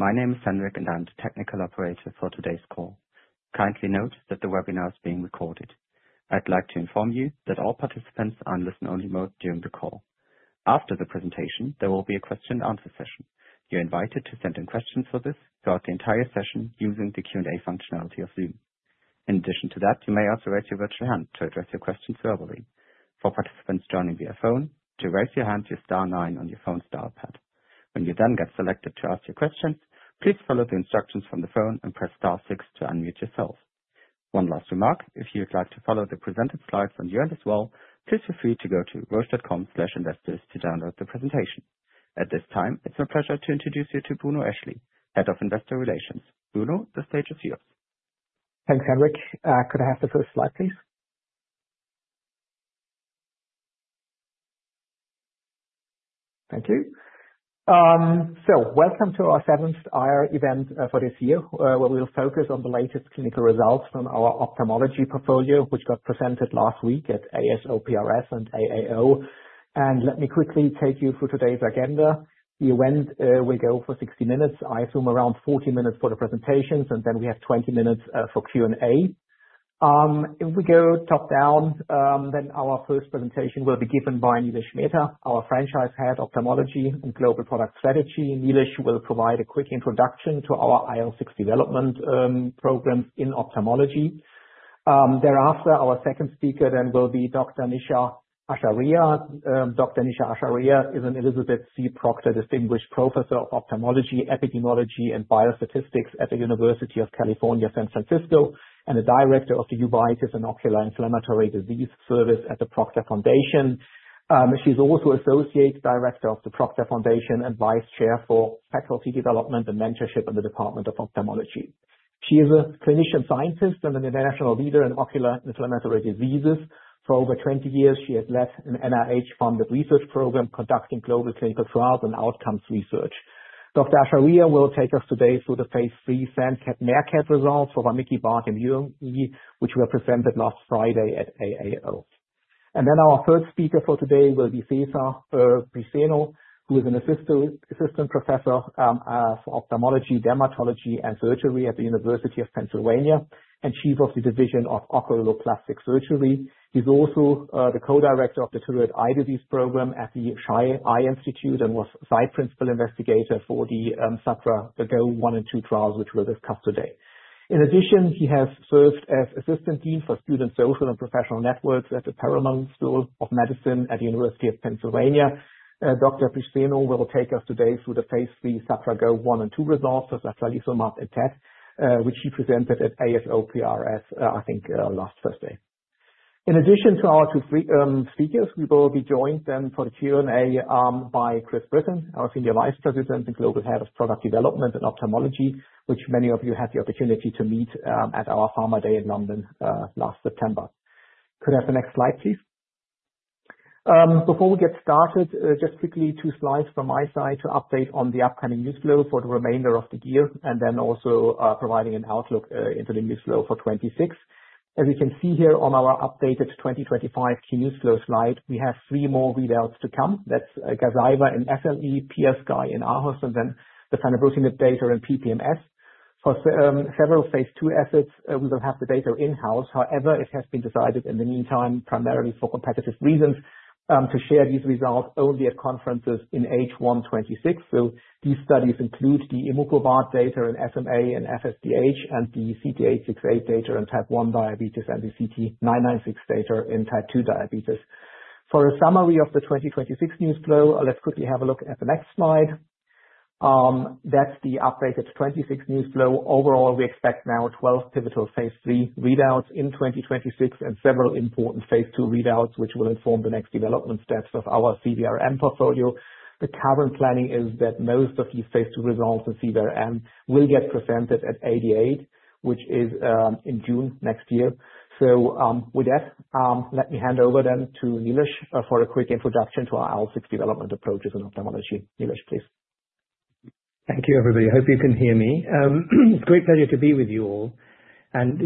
I'd like to inform you that all participants are in listen-only mode during the call. After the presentation, there will be a question-and-answer session. You're invited to send in questions for this throughout the entire session using the Q&A functionality of Zoom. In addition to that, you may also raise your virtual hand to address your questions verbally. For participants joining via phone, to raise your hand, use star nine on your phone's dial pad. When you then get selected to ask your questions, please follow the instructions from the phone and press star six to unmute yourself. One last remark: if you'd like to follow the presented slides on your end as well, please feel free to go to roche.com/investors to download the presentation. At this time, it's my pleasure to introduce you to Bruno Eschli, Head of Investor Relations. Bruno, the stage is yours. Thanks, Henrik. Could I have the first slide, please? Thank you. So, welcome to our seventh IR event for this year, where we'll focus on the latest clinical results from our ophthalmology portfolio, which got presented last week at ASOPRS and AAO. And, let me quickly take you through today's agenda. The event will go for 60 minutes. I assume around 40 minutes for the presentations, and then we have 20 minutes for Q&A. If we go top down, then our first presentation will be given by Nilesh Mehta, our Franchise Head of Ophthalmology and Global Product Strategy. Nilesh will provide a quick introduction to our IL-6 development programs in ophthalmology. Thereafter, our second speaker then will be Dr. Nisha Acharya. Dr. Nisha Acharya is an Elizabeth C. Proctor Distinguished Professor of Ophthalmology, Epidemiology, and Biostatistics at the University of California, San Francisco, and a Director of the Uveitis and Ocular Inflammatory Disease Service at the Proctor Foundation. She's also Associate Director of the Proctor Foundation and Vice Chair for Faculty Development and Mentorship in the Department of Ophthalmology. She is a clinician scientist and an international leader in ocular inflammatory diseases. For over 20 years, she has led an NIH-funded research program conducting global clinical trials and outcomes research. Dr. Acharya will take us today through the Phase III SANDCAT/MEERKAT results for Vamikibart and UME, which were presented last Friday at AAO, and then our third speaker for today will be César Briceño, who is an Assistant Professor for Ophthalmology, Dermatology, and Surgery at the University of Pennsylvania and Chief of the Division of Oculoplastic Surgery. He's also the Co-Director of the Thyroid Eye Disease Program at the Scheie Eye Institute and was Site Principal Investigator for the SatraGO-1 and SatraGO-2 trials, which we'll discuss today. In addition, he has served as Assistant Dean for Student Social and Professional Networks at the Perelman School of Medicine at the University of Pennsylvania. Dr. Briceño will take us today through the phase III SatraGO-1 and SatraGO-2 results for satralizumab and TED, which he presented at ASOPRS, I think, last Thursday. In addition to our two speakers, we will be joined then for the Q&A by Chris Brittain, our Senior Vice President and Global Head of Product Development, Ophthalmology, which many of you had the opportunity to meet at our Pharma Day in London last September. Could I have the next slide, please? Before we get started, just quickly two slides from my side to update on the upcoming news flow for the remainder of the year, and then also providing an outlook into the news flow for 2026. As you can see here on our updated 2025 key news flow slide, we have three more readouts to come. That's Gazyva in SLE, PiaSky in aHUS, and then the fenebrutinib data in PPMS. For several phase II assets, we will have the data in-house. However, it has been decided in the meantime, primarily for competitive reasons, to share these results only at conferences in H1 2026, so these studies include the GYM329 data in SMA and FSHD, and the CT-868 data in type 1 diabetes, and the CT-996 data in type 2 diabetes. For a summary of the 2026 news flow, let's quickly have a look at the next slide. That's the updated 2026 news flow. Overall, we expect now 12 pivotal phase III readouts in 2026 and several important phase II readouts, which will inform the next development steps of our CVRM portfolio. The current planning is that most of these phase II results in CVRM will get presented at ADA, which is in June next year. So with that, let me hand over then to Nilesh for a quick introduction to our IL-6 development approaches in ophthalmology. Nilesh, please. Thank you, everybody. I hope you can hear me. It's a great pleasure to be with you all, and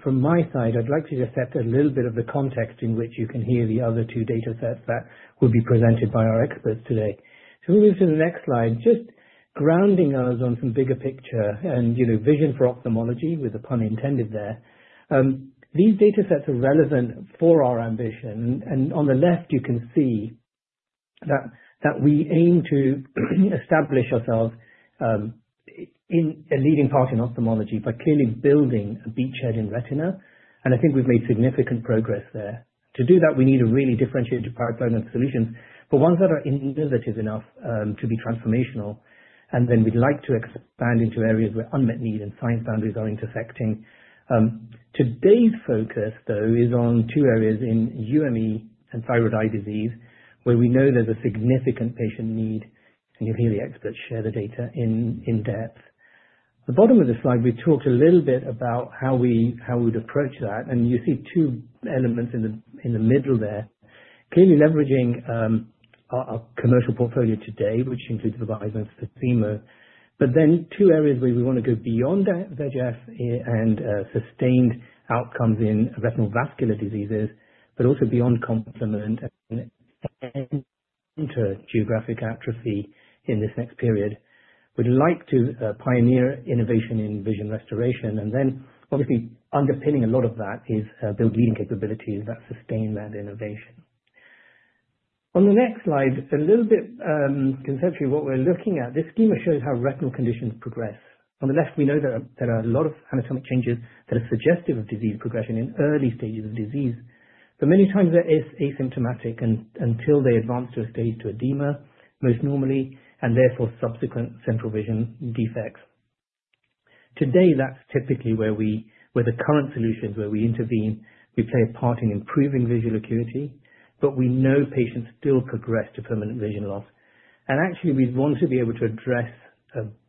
from my side, I'd like to just set a little bit of the context in which you can hear the other two data sets that will be presented by our experts today, so we'll move to the next slide, just grounding us on some bigger picture and vision for ophthalmology, with a pun intended there. These data sets are relevant for our ambition, and on the left, you can see that we aim to establish ourselves in a leading part in ophthalmology by clearly building a beachhead in retina, and I think we've made significant progress there. To do that, we need a really differentiated pipeline of solutions for ones that are innovative enough to be transformational. And then we'd like to expand into areas where unmet need and science boundaries are intersecting. Today's focus, though, is on two areas in UME and thyroid eye disease, where we know there's a significant patient need, and you'll hear the experts share the data in depth. At the bottom of the slide, we talked a little bit about how we'd approach that. And you see two elements in the middle there, clearly leveraging our commercial portfolio today, which includes Vabysmo and Susvimo, but then two areas where we want to go beyond VEGF and sustained outcomes in retinal vascular diseases, but also beyond complement and geographic atrophy in this next period. We'd like to pioneer innovation in vision restoration. And then, obviously, underpinning a lot of that is building capabilities that sustain that innovation. On the next slide, a little bit conceptually, what we're looking at, this schema shows how retinal conditions progress. On the left, we know that there are a lot of anatomic changes that are suggestive of disease progression in early stages of disease. But many times, they're asymptomatic until they advance to a stage of edema, most normally, and therefore subsequent central vision defects. Today, that's typically where the current solutions, where we intervene, we play a part in improving visual acuity, but we know patients still progress to permanent vision loss. And actually, we'd want to be able to address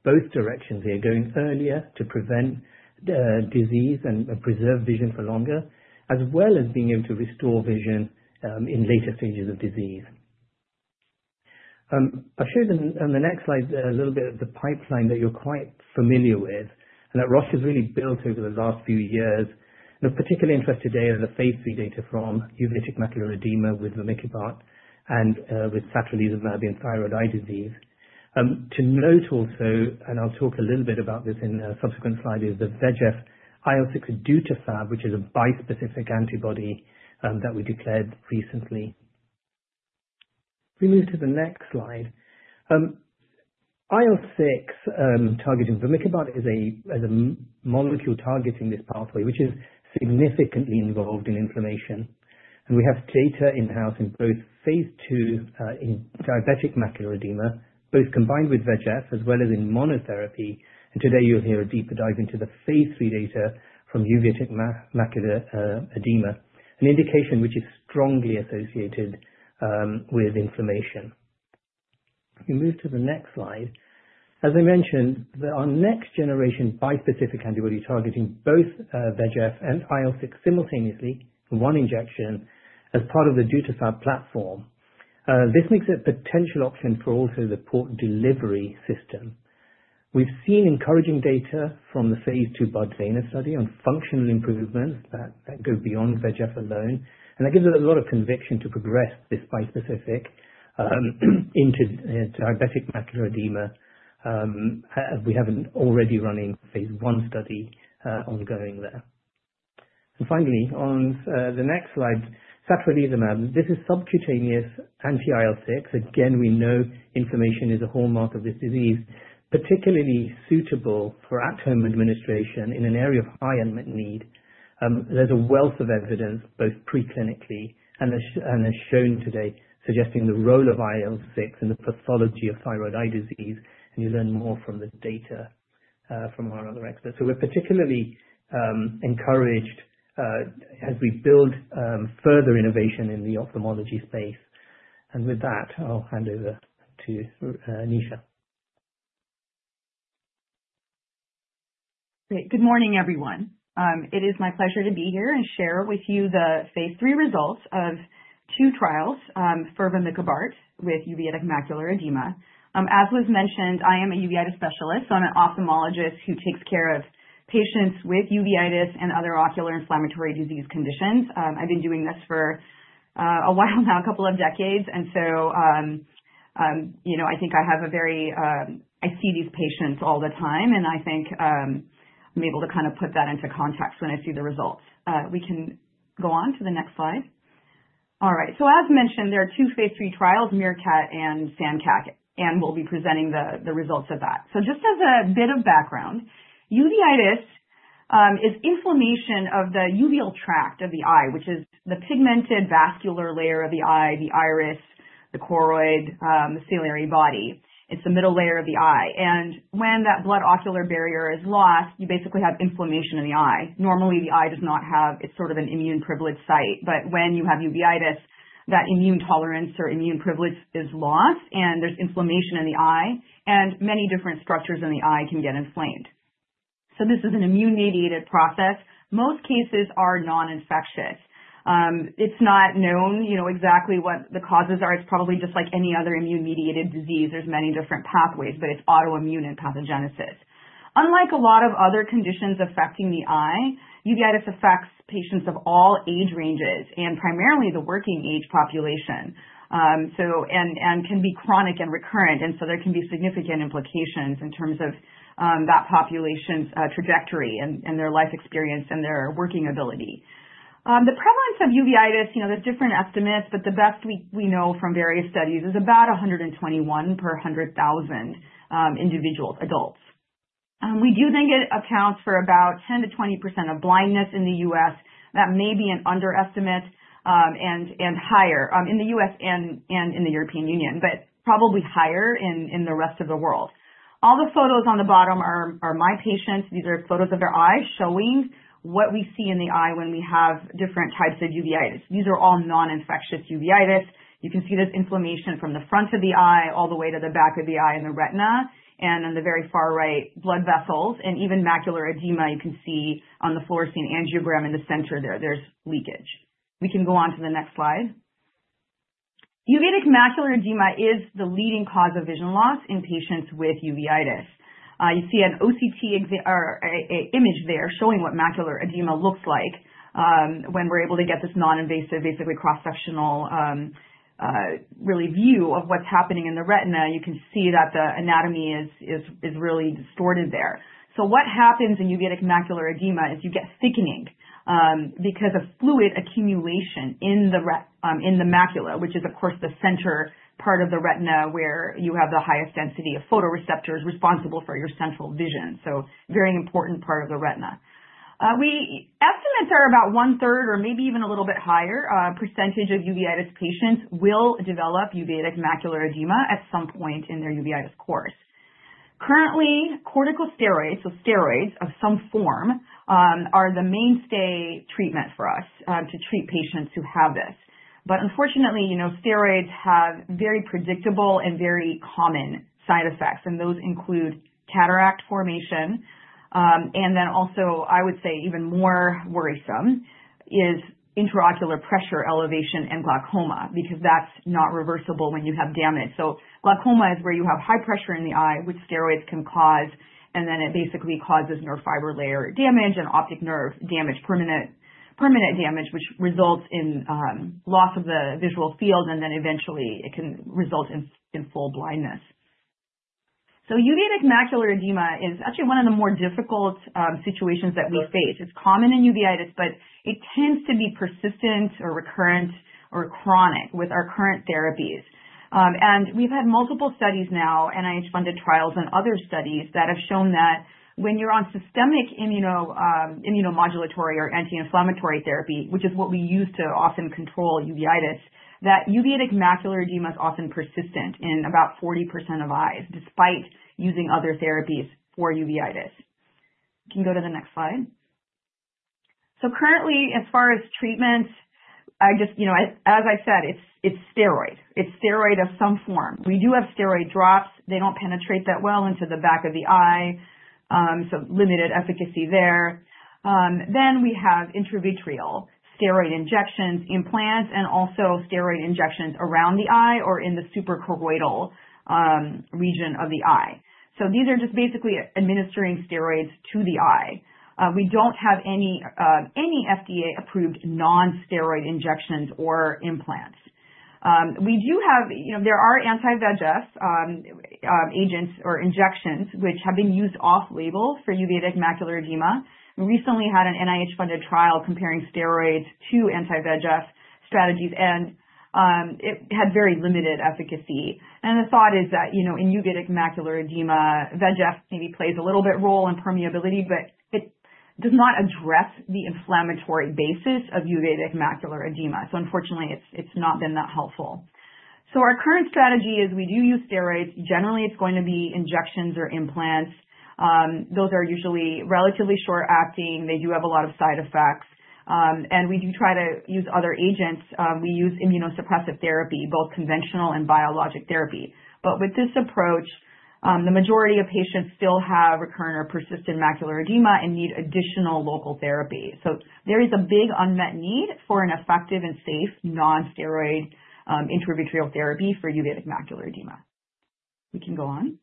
both directions here, going earlier to prevent disease and preserve vision for longer, as well as being able to restore vision in later stages of disease. I've shown on the next slide a little bit of the pipeline that you're quite familiar with, and that Roche has really built over the last few years. And of particular interest today are the phase III data from uveitic macular edema with vamikibart and with satralizumab and thyroid eye disease. To note also, and I'll talk a little bit about this in subsequent slides, is the VEGF/IL-6 DutaFab, which is a bispecific antibody that we declared recently. If we move to the next slide, IL-6 targeting vamikibart is a molecule targeting this pathway, which is significantly involved in inflammation. And we have data in-house in both phase II in diabetic macular edema, both combined with VEGF, as well as in monotherapy. And today, you'll hear a deeper dive into the phase III data from uveitic macular edema, an indication which is strongly associated with inflammation. If we move to the next slide, as I mentioned, our next-generation bispecific antibody targeting both VEGF and IL-6 simultaneously in one injection as part of the DutaFab platform. This makes it a potential option for also the Port Delivery System. We've seen encouraging data from the phase II dose-ranging study on functional improvements that go beyond VEGF alone. And that gives us a lot of conviction to progress this bispecific into diabetic macular edema, as we have an already running phase I study ongoing there. And finally, on the next slide, satralizumab, this is subcutaneous anti-IL-6. Again, we know inflammation is a hallmark of this disease, particularly suitable for at-home administration in an area of high unmet need. There's a wealth of evidence, both preclinically and as shown today, suggesting the role of IL-6 in the pathology of thyroid eye disease. And you'll learn more from the data from our other experts. So we're particularly encouraged as we build further innovation in the ophthalmology space. And with that, I'll hand over to Nisha. Great. Good morning, everyone. It is my pleasure to be here and share with you the phase III results of two trials for vamikibart with uveitic macular edema. As was mentioned, I am a uveitis specialist. So I'm an ophthalmologist who takes care of patients with uveitis and other ocular inflammatory disease conditions. I've been doing this for a while now, a couple of decades. And so I think I have a very - I see these patients all the time, and I think I'm able to kind of put that into context when I see the results. We can go on to the next slide. All right. So as mentioned, there are two phase III trials, MEERKAT and SANDCAT, and we'll be presenting the results of that. So just as a bit of background, uveitis is inflammation of the uveal tract of the eye, which is the pigmented vascular layer of the eye, the iris, the choroid, the ciliary body. It's the middle layer of the eye, and when that blood-ocular barrier is lost, you basically have inflammation in the eye. Normally, the eye does not have, it's sort of an immune-privileged site, but when you have uveitis, that immune tolerance or immune privilege is lost, and there's inflammation in the eye, and many different structures in the eye can get inflamed, so this is an immune-mediated process. Most cases are non-infectious. It's not known exactly what the causes are. It's probably just like any other immune-mediated disease. There's many different pathways, but it's autoimmune and pathogenesis. Unlike a lot of other conditions affecting the eye, uveitis affects patients of all age ranges and primarily the working-age population, and can be chronic and recurrent, and so there can be significant implications in terms of that population's trajectory and their life experience and their working ability. The prevalence of uveitis, there's different estimates, but the best we know from various studies is about 121 per 100,000 individuals, adults. We do think it accounts for about 10%-20% of blindness in the U.S. That may be an underestimate and higher in the U.S. and in the European Union, but probably higher in the rest of the world. All the photos on the bottom are my patients. These are photos of their eyes showing what we see in the eye when we have different types of uveitis. These are all non-infectious uveitis. You can see there's inflammation from the front of the eye all the way to the back of the eye and the retina, and on the very far right, blood vessels, and even macular edema. You can see on the fluorescein angiogram in the center there, there's leakage. We can go on to the next slide. Uveitic macular edema is the leading cause of vision loss in patients with uveitis. You see an OCT image there showing what macular edema looks like when we're able to get this non-invasive, basically cross-sectional, really view of what's happening in the retina. You can see that the anatomy is really distorted there. So what happens in uveitic macular edema is you get thickening because of fluid accumulation in the macula, which is, of course, the center part of the retina where you have the highest density of photoreceptors responsible for your central vision. So very important part of the retina. Estimates are about one-third or maybe even a little bit higher. A percentage of uveitis patients will develop uveitic macular edema at some point in their uveitis course. Currently, corticosteroids, so steroids of some form, are the mainstay treatment for us to treat patients who have this, but unfortunately, steroids have very predictable and very common side effects, and those include cataract formation, and then also, I would say, even more worrisome is intraocular pressure elevation and glaucoma because that's not reversible when you have damage, so glaucoma is where you have high pressure in the eye, which steroids can cause, and then it basically causes nerve fiber layer damage and optic nerve damage, permanent damage, which results in loss of the visual field, and then eventually, it can result in full blindness. So uveitic macular edema is actually one of the more difficult situations that we face. It's common in uveitis, but it tends to be persistent or recurrent or chronic with our current therapies. And we've had multiple studies now, NIH-funded trials and other studies that have shown that when you're on systemic immunomodulatory or anti-inflammatory therapy, which is what we use to often control uveitis, that uveitic macular edema is often persistent in about 40% of eyes, despite using other therapies for uveitis. You can go to the next slide. So currently, as far as treatments, as I've said, it's steroid. It's steroid of some form. We do have steroid drops. They don't penetrate that well into the back of the eye, so limited efficacy there. Then we have intravitreal steroid injections, implants, and also steroid injections around the eye or in the supracoroidal region of the eye. So these are just basically administering steroids to the eye. We don't have any FDA-approved non-steroid injections or implants. We do have. There are anti-VEGF agents or injections which have been used off-label for uveitic macular edema. We recently had an NIH-funded trial comparing steroids to anti-VEGF strategies, and it had very limited efficacy, and the thought is that in uveitic macular edema, VEGF maybe plays a little bit role in permeability, but it does not address the inflammatory basis of uveitic macular edema, so unfortunately, it's not been that helpful, so our current strategy is we do use steroids. Generally, it's going to be injections or implants. Those are usually relatively short-acting. They do have a lot of side effects, and we do try to use other agents. We use immunosuppressive therapy, both conventional and biologic therapy. But with this approach, the majority of patients still have recurrent or persistent macular edema and need additional local therapy. So there is a big unmet need for an effective and safe non-steroid intravitreal therapy for uveitic macular edema. We can go on.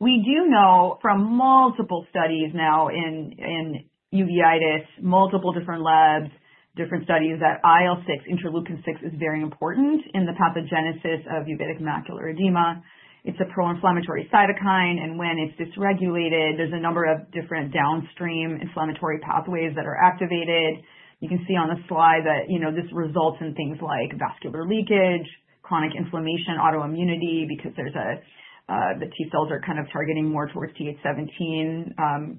We do know from multiple studies now in uveitis, multiple different labs, different studies that IL-6, interleukin-6, is very important in the pathogenesis of uveitic macular edema. It's a pro-inflammatory cytokine. And when it's dysregulated, there's a number of different downstream inflammatory pathways that are activated. You can see on the slide that this results in things like vascular leakage, chronic inflammation, autoimmunity because the T cells are kind of targeting more towards TH17.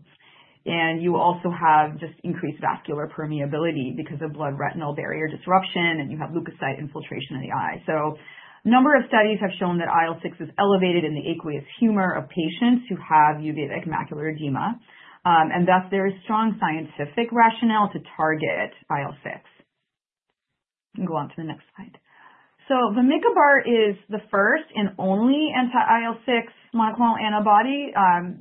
And you also have just increased vascular permeability because of blood retinal barrier disruption, and you have leukocyte infiltration in the eye. A number of studies have shown that IL-6 is elevated in the aqueous humor of patients who have uveitic macular edema. And thus, there is strong scientific rationale to target IL-6. You can go on to the next slide. So vamikibart is the first and only anti-IL-6 monoclonal antibody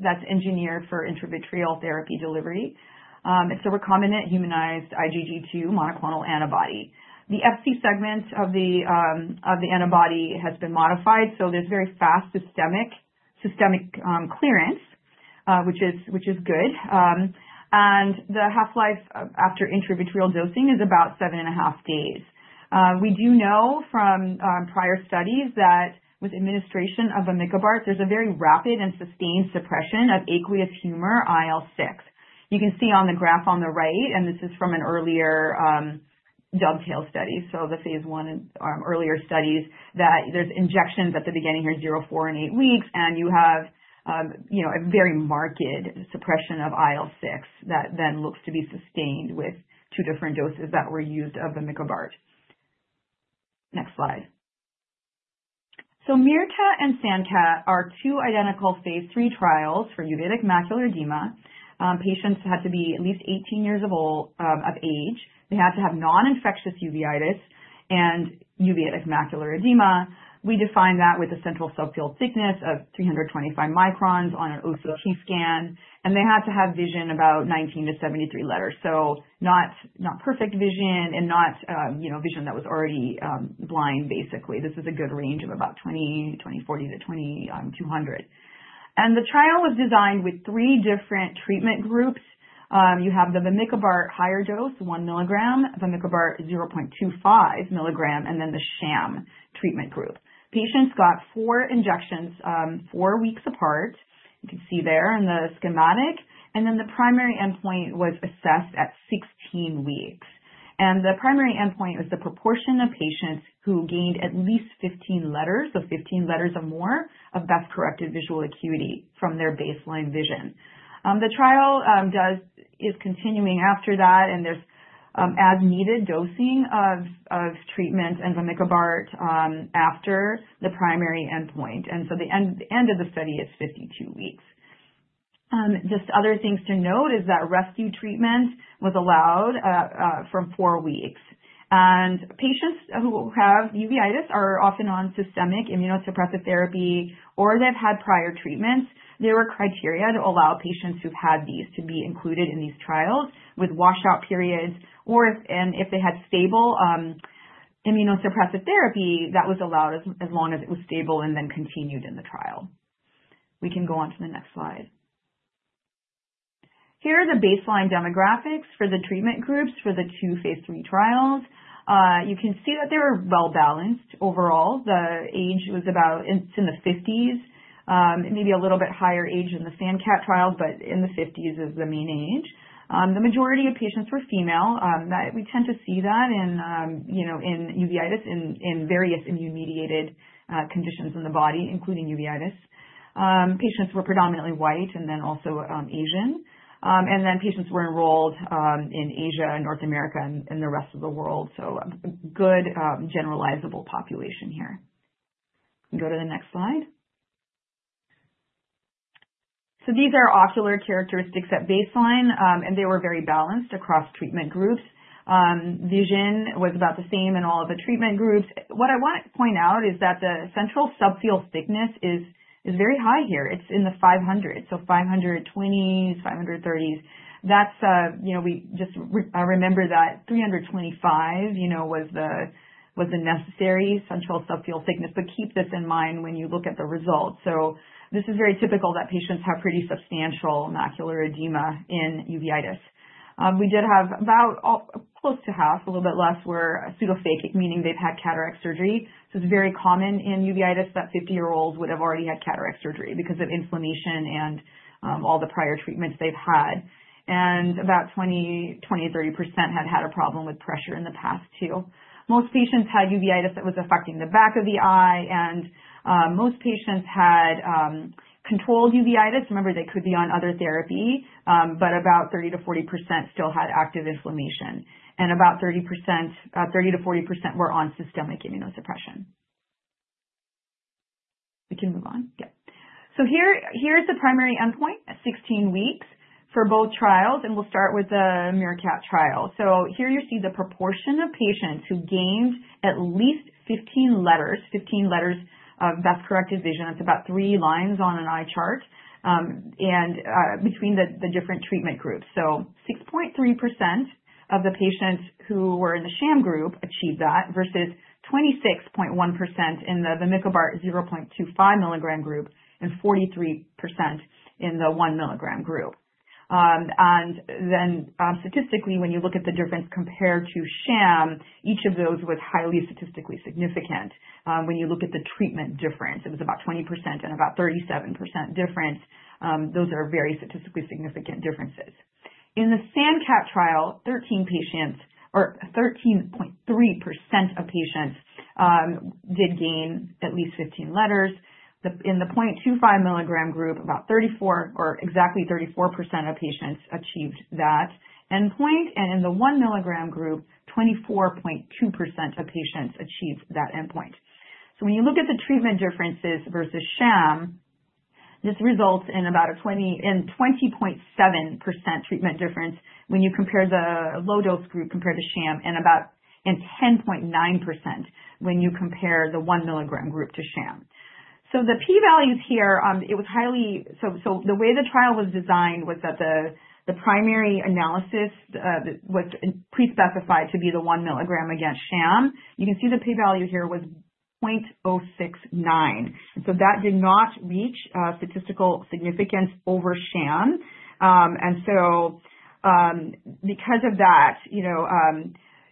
that's engineered for intravitreal therapy delivery. It's a recombinant humanized IgG2 monoclonal antibody. The Fc segment of the antibody has been modified. So there's very fast systemic clearance, which is good. And the half-life after intravitreal dosing is about seven and a half days. We do know from prior studies that with administration of vamikibart, there's a very rapid and sustained suppression of aqueous humor IL-6. You can see on the graph on the right, and this is from an earlier DOVETAIL study, so the phase I earlier studies, that there's injections at the beginning here, zero, four, and eight weeks, and you have a very marked suppression of IL-6 that then looks to be sustained with two different doses that were used of vamikibart. Next slide. So MEERKAT and SANDCAT are two identical phase III trials for uveitic macular edema. Patients had to be at least 18 years of age. They had to have non-infectious uveitis and uveitic macular edema. We define that with a central subfield thickness of 325 microns on an OCT scan. And they had to have vision about 19 to 73 letters, so not perfect vision and not vision that was already blind, basically. This is a good range of about 20/40 to 20/200. And the trial was designed with three different treatment groups. You have the vamikibart higher dose, one milligram, vamikibart 0.25 milligram, and then the Sham treatment group. Patients got four injections four weeks apart. You can see there in the schematic. And then the primary endpoint was assessed at 16 weeks. And the primary endpoint was the proportion of patients who gained at least 15 letters, so 15 letters or more, of best-corrected visual acuity from their baseline vision. The trial is continuing after that, and there's as-needed dosing of treatment and vamikibart after the primary endpoint. And so the end of the study is 52 weeks. Just other things to note is that rescue treatment was allowed from four weeks. And patients who have uveitis are often on systemic immunosuppressive therapy or they've had prior treatments. There were criteria to allow patients who've had these to be included in these trials with washout periods, and if they had stable immunosuppressive therapy, that was allowed as long as it was stable and then continued in the trial. We can go on to the next slide. Here are the baseline demographics for the treatment groups for the two phase III trials. You can see that they were well-balanced overall. The age was about. It's in the 50s. It may be a little bit higher age in the SANDCAT trials, but in the 50s is the mean age. The majority of patients were female. We tend to see that in uveitis in various immune-mediated conditions in the body, including uveitis. Patients were predominantly white, and then also Asian, and then patients were enrolled in Asia, North America, and the rest of the world, so a good generalizable population here. You can go to the next slide. So these are ocular characteristics at baseline, and they were very balanced across treatment groups. Vision was about the same in all of the treatment groups. What I want to point out is that the central subfield thickness is very high here. It's in the 500s, so 520s, 530s. We just remember that 325 was the necessary central subfield thickness. But keep this in mind when you look at the results. So this is very typical that patients have pretty substantial macular edema in uveitis. We did have about close to half, a little bit less, were pseudophakic, meaning they've had cataract surgery. So it's very common in uveitis that 50-year-olds would have already had cataract surgery because of inflammation and all the prior treatments they've had. And about 20%-30% had had a problem with pressure in the past too. Most patients had uveitis that was affecting the back of the eye, and most patients had controlled uveitis. Remember, they could be on other therapy, but about 30%-40% still had active inflammation. And about 30%-40% were on systemic immunosuppression. We can move on. Yeah. So here's the primary endpoint at 16 weeks for both trials. And we'll start with the MEERKAT trial. So here you see the proportion of patients who gained at least 15 letters, 15 letters of best-corrected vision. It's about three lines on an eye chart between the different treatment groups. So 6.3% of the patients who were in the Sham group achieved that versus 26.1% in the vamikibart 0.25 milligram group and 43% in the 1 milligram group. And then statistically, when you look at the difference compared to Sham, each of those was highly statistically significant. When you look at the treatment difference, it was about 20% and about 37% difference. Those are very statistically significant differences. In the SANDCAT trial, 13.3% of patients did gain at least 15 letters. In the 0.25 milligram group, about 34 or exactly 34% of patients achieved that endpoint. And in the one milligram group, 24.2% of patients achieved that endpoint. So when you look at the treatment differences versus Sham, this results in about a 20.7% treatment difference when you compare the low-dose group compared to Sham and 10.9% when you compare the one milligram group to Sham. So the p-values here. The way the trial was designed was that the primary analysis was pre-specified to be the one milligram against Sham. You can see the p-value here was 0.069. And so that did not reach statistical significance over Sham. And so because of that,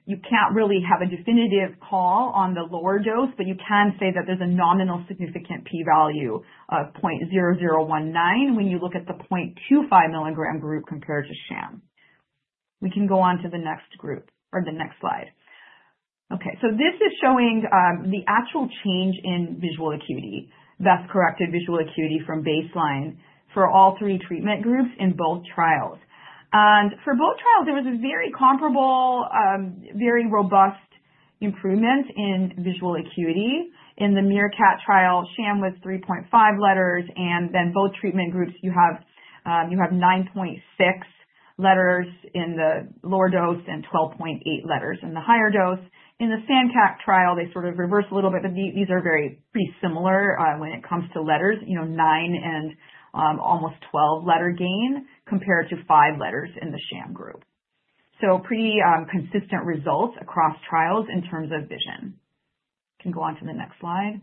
you can't really have a definitive call on the lower dose, but you can say that there's a nominal significant p-value of 0.0019 when you look at the 0.25 milligram group compared to Sham. We can go on to the next group or the next slide. Okay. So this is showing the actual change in visual acuity, best-corrected visual acuity from baseline for all three treatment groups in both trials. And for both trials, there was a very comparable, very robust improvement in visual acuity. In the MEERKAT Trial, Sham was 3.5 letters. And then both treatment groups, you have 9.6 letters in the lower dose and 12.8 letters in the higher dose. In the SANDCAT trial, they sort of reversed a little bit, but these are very pretty similar when it comes to letters, nine and almost 12-letter gain compared to five letters in the Sham group. So pretty consistent results across trials in terms of vision. You can go on to the next slide.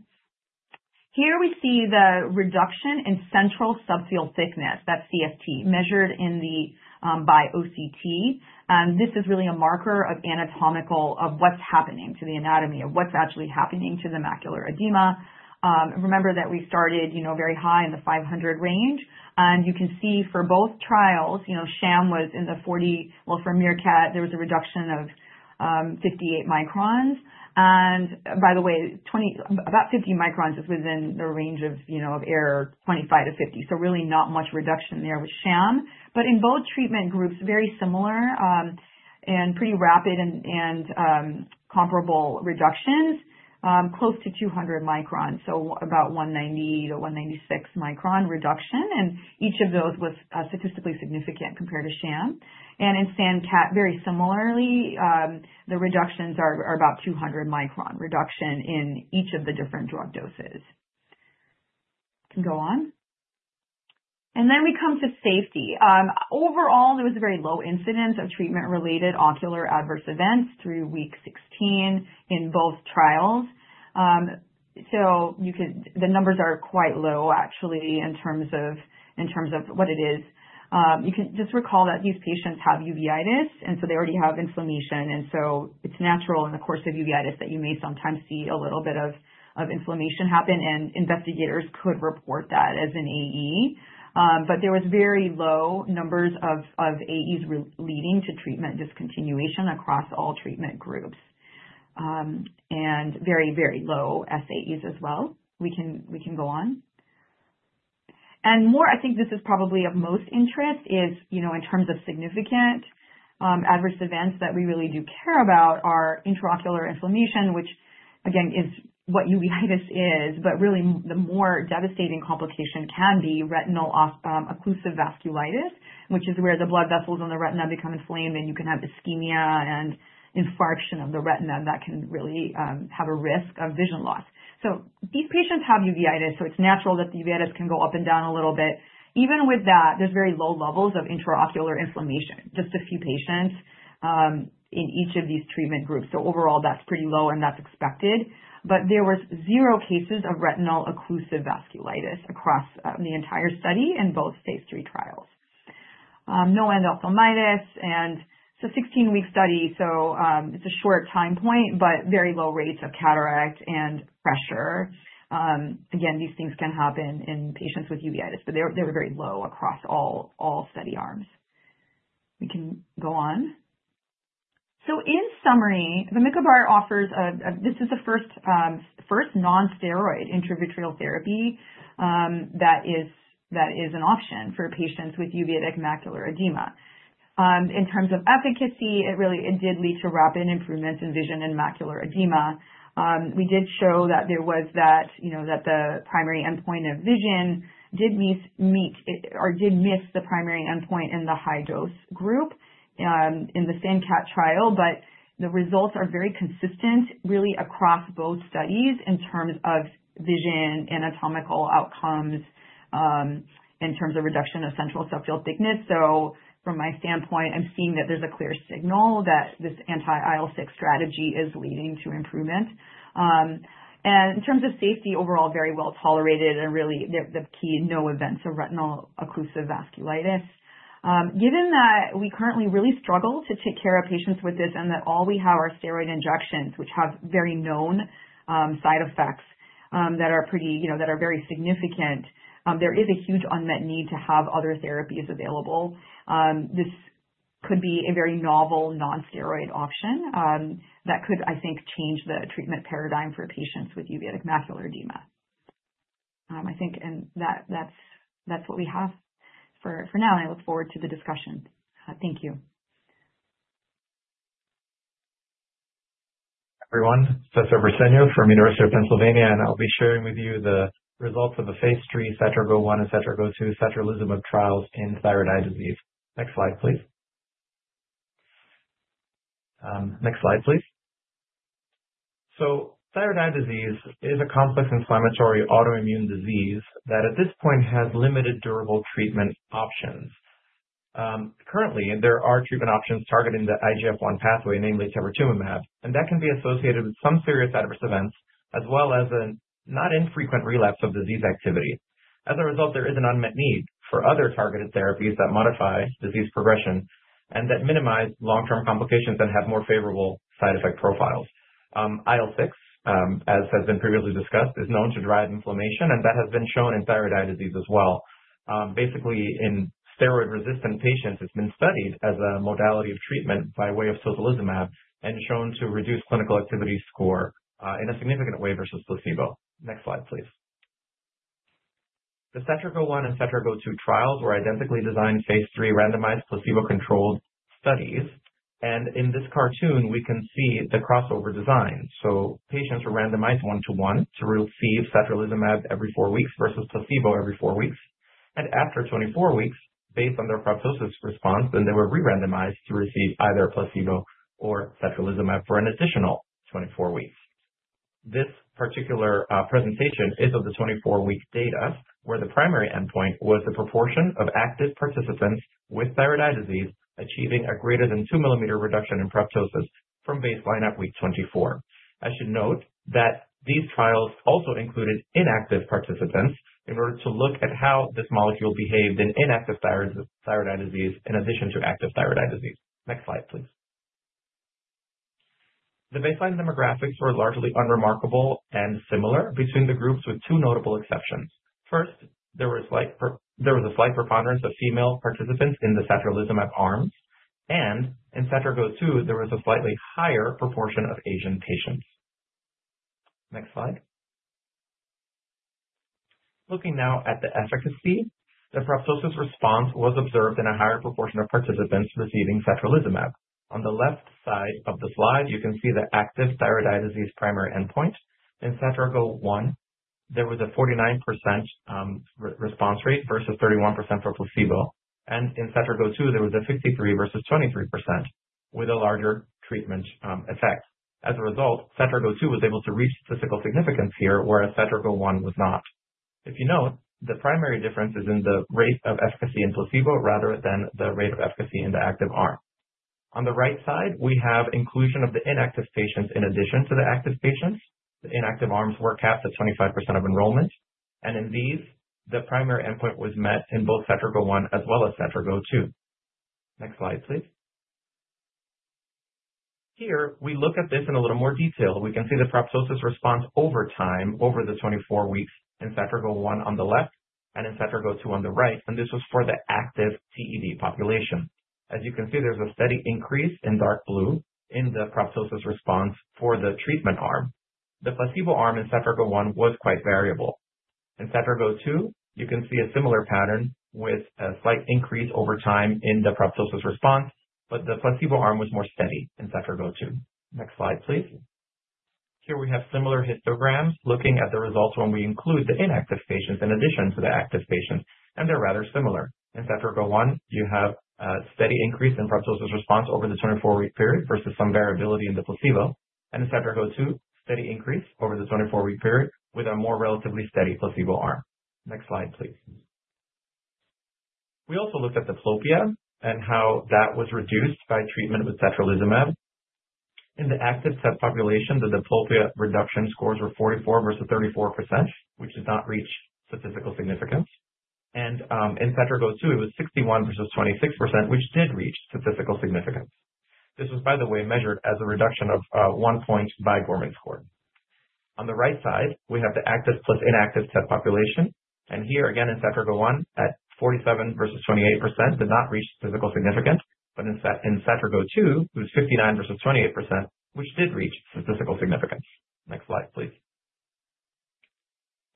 Here we see the reduction in central subfield thickness, that's CST, measured by OCT. And this is really a marker of anatomy of what's happening to the anatomy, of what's actually happening to the macular edema. Remember that we started very high in the 500 range. And you can see for both trials, Sham was in the 40, well, for MEERKAT, there was a reduction of 58 microns. And by the way, about 50 microns is within the range of error, 25 to 50. So really not much reduction there with Sham. But in both treatment groups, very similar and pretty rapid and comparable reductions, close to 200 microns, so about 190-196 micron reduction. And each of those was statistically significant compared to Sham. And in SANDCAT, very similarly, the reductions are about 200 micron reduction in each of the different drug doses. You can go on. And then we come to safety. Overall, there was a very low incidence of treatment-related ocular adverse events through week 16 in both trials. So the numbers are quite low, actually, in terms of what it is. You can just recall that these patients have uveitis, and so they already have inflammation. And so it's natural in the course of uveitis that you may sometimes see a little bit of inflammation happen. And investigators could report that as an AE. But there were very low numbers of AEs leading to treatment discontinuation across all treatment groups and very, very low SAEs as well. We can go on. And more, I think this is probably of most interest, is in terms of significant adverse events that we really do care about are intraocular inflammation, which, again, is what uveitis is, but really the more devastating complication can be retinal occlusive vasculitis, which is where the blood vessels in the retina become inflamed, and you can have ischemia and infarction of the retina that can really have a risk of vision loss. So these patients have uveitis, so it's natural that the uveitis can go up and down a little bit. Even with that, there's very low levels of intraocular inflammation, just a few patients in each of these treatment groups. So overall, that's pretty low, and that's expected. But there were zero cases of retinal occlusive vasculitis across the entire study in both phase III trials. No endophthalmitis. And it's a 16-week study, so it's a short time point, but very low rates of cataract and pressure. Again, these things can happen in patients with uveitis, but they were very low across all study arms. We can go on. So in summary, vamikibart offers. This is the first non-steroid intravitreal therapy that is an option for patients with uveitic macular edema. In terms of efficacy, it did lead to rapid improvements in vision and macular edema. We did show that the primary endpoint of vision did miss the primary endpoint in the high-dose group in the SANDCAT trial, but the results are very consistent really across both studies in terms of vision anatomical outcomes in terms of reduction of central subfield thickness. So from my standpoint, I'm seeing that there's a clear signal that this anti-IL-6 strategy is leading to improvement. And in terms of safety, overall, very well tolerated and really the key: no events of retinal occlusive vasculitis. Given that we currently really struggle to take care of patients with this and that all we have are steroid injections, which have very known side effects that are very significant, there is a huge unmet need to have other therapies available. This could be a very novel non-steroid option that could, I think, change the treatment paradigm for patients with uveitic macular edema. I think that's what we have for now, and I look forward to the discussion. Thank you. Everyone, Professor Briceño from the University of Pennsylvania, and I'll be sharing with you the results of the phase III SatraGO-1 and SatraGO-2 satralizumab trials in thyroid eye disease. Next slide, please. Next slide, please. So thyroid eye disease is a complex inflammatory autoimmune disease that at this point has limited durable treatment options. Currently, there are treatment options targeting the IGF-1 pathway, namely teprotumumab, and that can be associated with some serious adverse events as well as a not infrequent relapse of disease activity. As a result, there is an unmet need for other targeted therapies that modify disease progression and that minimize long-term complications and have more favorable side effect profiles. IL-6, as has been previously discussed, is known to drive inflammation, and that has been shown in thyroid eye disease as well. Basically, in steroid-resistant patients, it's been studied as a modality of treatment by way of satralizumab and shown to reduce clinical activity score in a significant way versus placebo. Next slide, please. The SatraGO-1 and SatraGO-2 trials were identically designed phase III randomized placebo-controlled studies. And in this cartoon, we can see the crossover design. So patients were randomized one-to-one to receive satralizumab every four weeks versus placebo every four weeks. And after 24 weeks, based on their proptosis response, then they were re-randomized to receive either placebo or satralizumab for an additional 24 weeks. This particular presentation is of the 24-week data where the primary endpoint was the proportion of active participants with thyroid eye disease achieving a greater than 2-millimeter reduction in proptosis from baseline at week 24. I should note that these trials also included inactive participants in order to look at how this molecule behaved in inactive thyroid eye disease in addition to active thyroid eye disease. Next slide, please. The baseline demographics were largely unremarkable and similar between the groups with two notable exceptions. First, there was a slight preponderance of female participants in the satralizumab arms. And in SatraGO-2, there was a slightly higher proportion of Asian patients. Next slide. Looking now at the efficacy, the proptosis response was observed in a higher proportion of participants receiving satralizumab. On the left side of the slide, you can see the active thyroid eye disease primary endpoint. In SatraGO-1, there was a 49% response rate versus 31% for placebo. And in SatraGO-2, there was a 53% versus 23% with a larger treatment effect. As a result, SatraGO-2 was able to reach statistical significance here, whereas SatraGO-1 was not. If you note, the primary difference is in the rate of efficacy in placebo rather than the rate of efficacy in the active arm. On the right side, we have inclusion of the inactive patients in addition to the active patients. The inactive arms were capped at 25% of enrollment, and in these, the primary endpoint was met in both SatraGO-1 as well as SatraGO-2. Next slide, please. Here, we look at this in a little more detail. We can see the proptosis response over time over the 24 weeks in SatraGO-1 on the left and in SatraGO-2 on the right, and this was for the active TED population. As you can see, there's a steady increase in dark blue in the proptosis response for the treatment arm. The placebo arm in SatraGO-1 was quite variable. In SatraGO-2, you can see a similar pattern with a slight increase over time in the proptosis response, but the placebo arm was more steady in SatraGO-2. Next slide, please. Here we have similar histograms looking at the results when we include the inactive patients in addition to the active patients, and they're rather similar. In SatraGO-1, you have a steady increase in proptosis response over the 24-week period versus some variability in the placebo. And in SatraGO-2, steady increase over the 24-week period with a more relatively steady placebo arm. Next slide, please. We also looked at diplopia and how that was reduced by treatment with satralizumab. In the active population, the diplopia reduction scores were 44% versus 34%, which did not reach statistical significance. And in SatraGO-2, it was 61% versus 26%, which did reach statistical significance. This was, by the way, measured as a reduction of one point by Gorman score. On the right side, we have the active plus inactive TED population. And here, again, in SatraGO-1 at 47% versus 28%, did not reach statistical significance. But in SatraGO-2, it was 59% versus 28%, which did reach statistical significance. Next slide, please.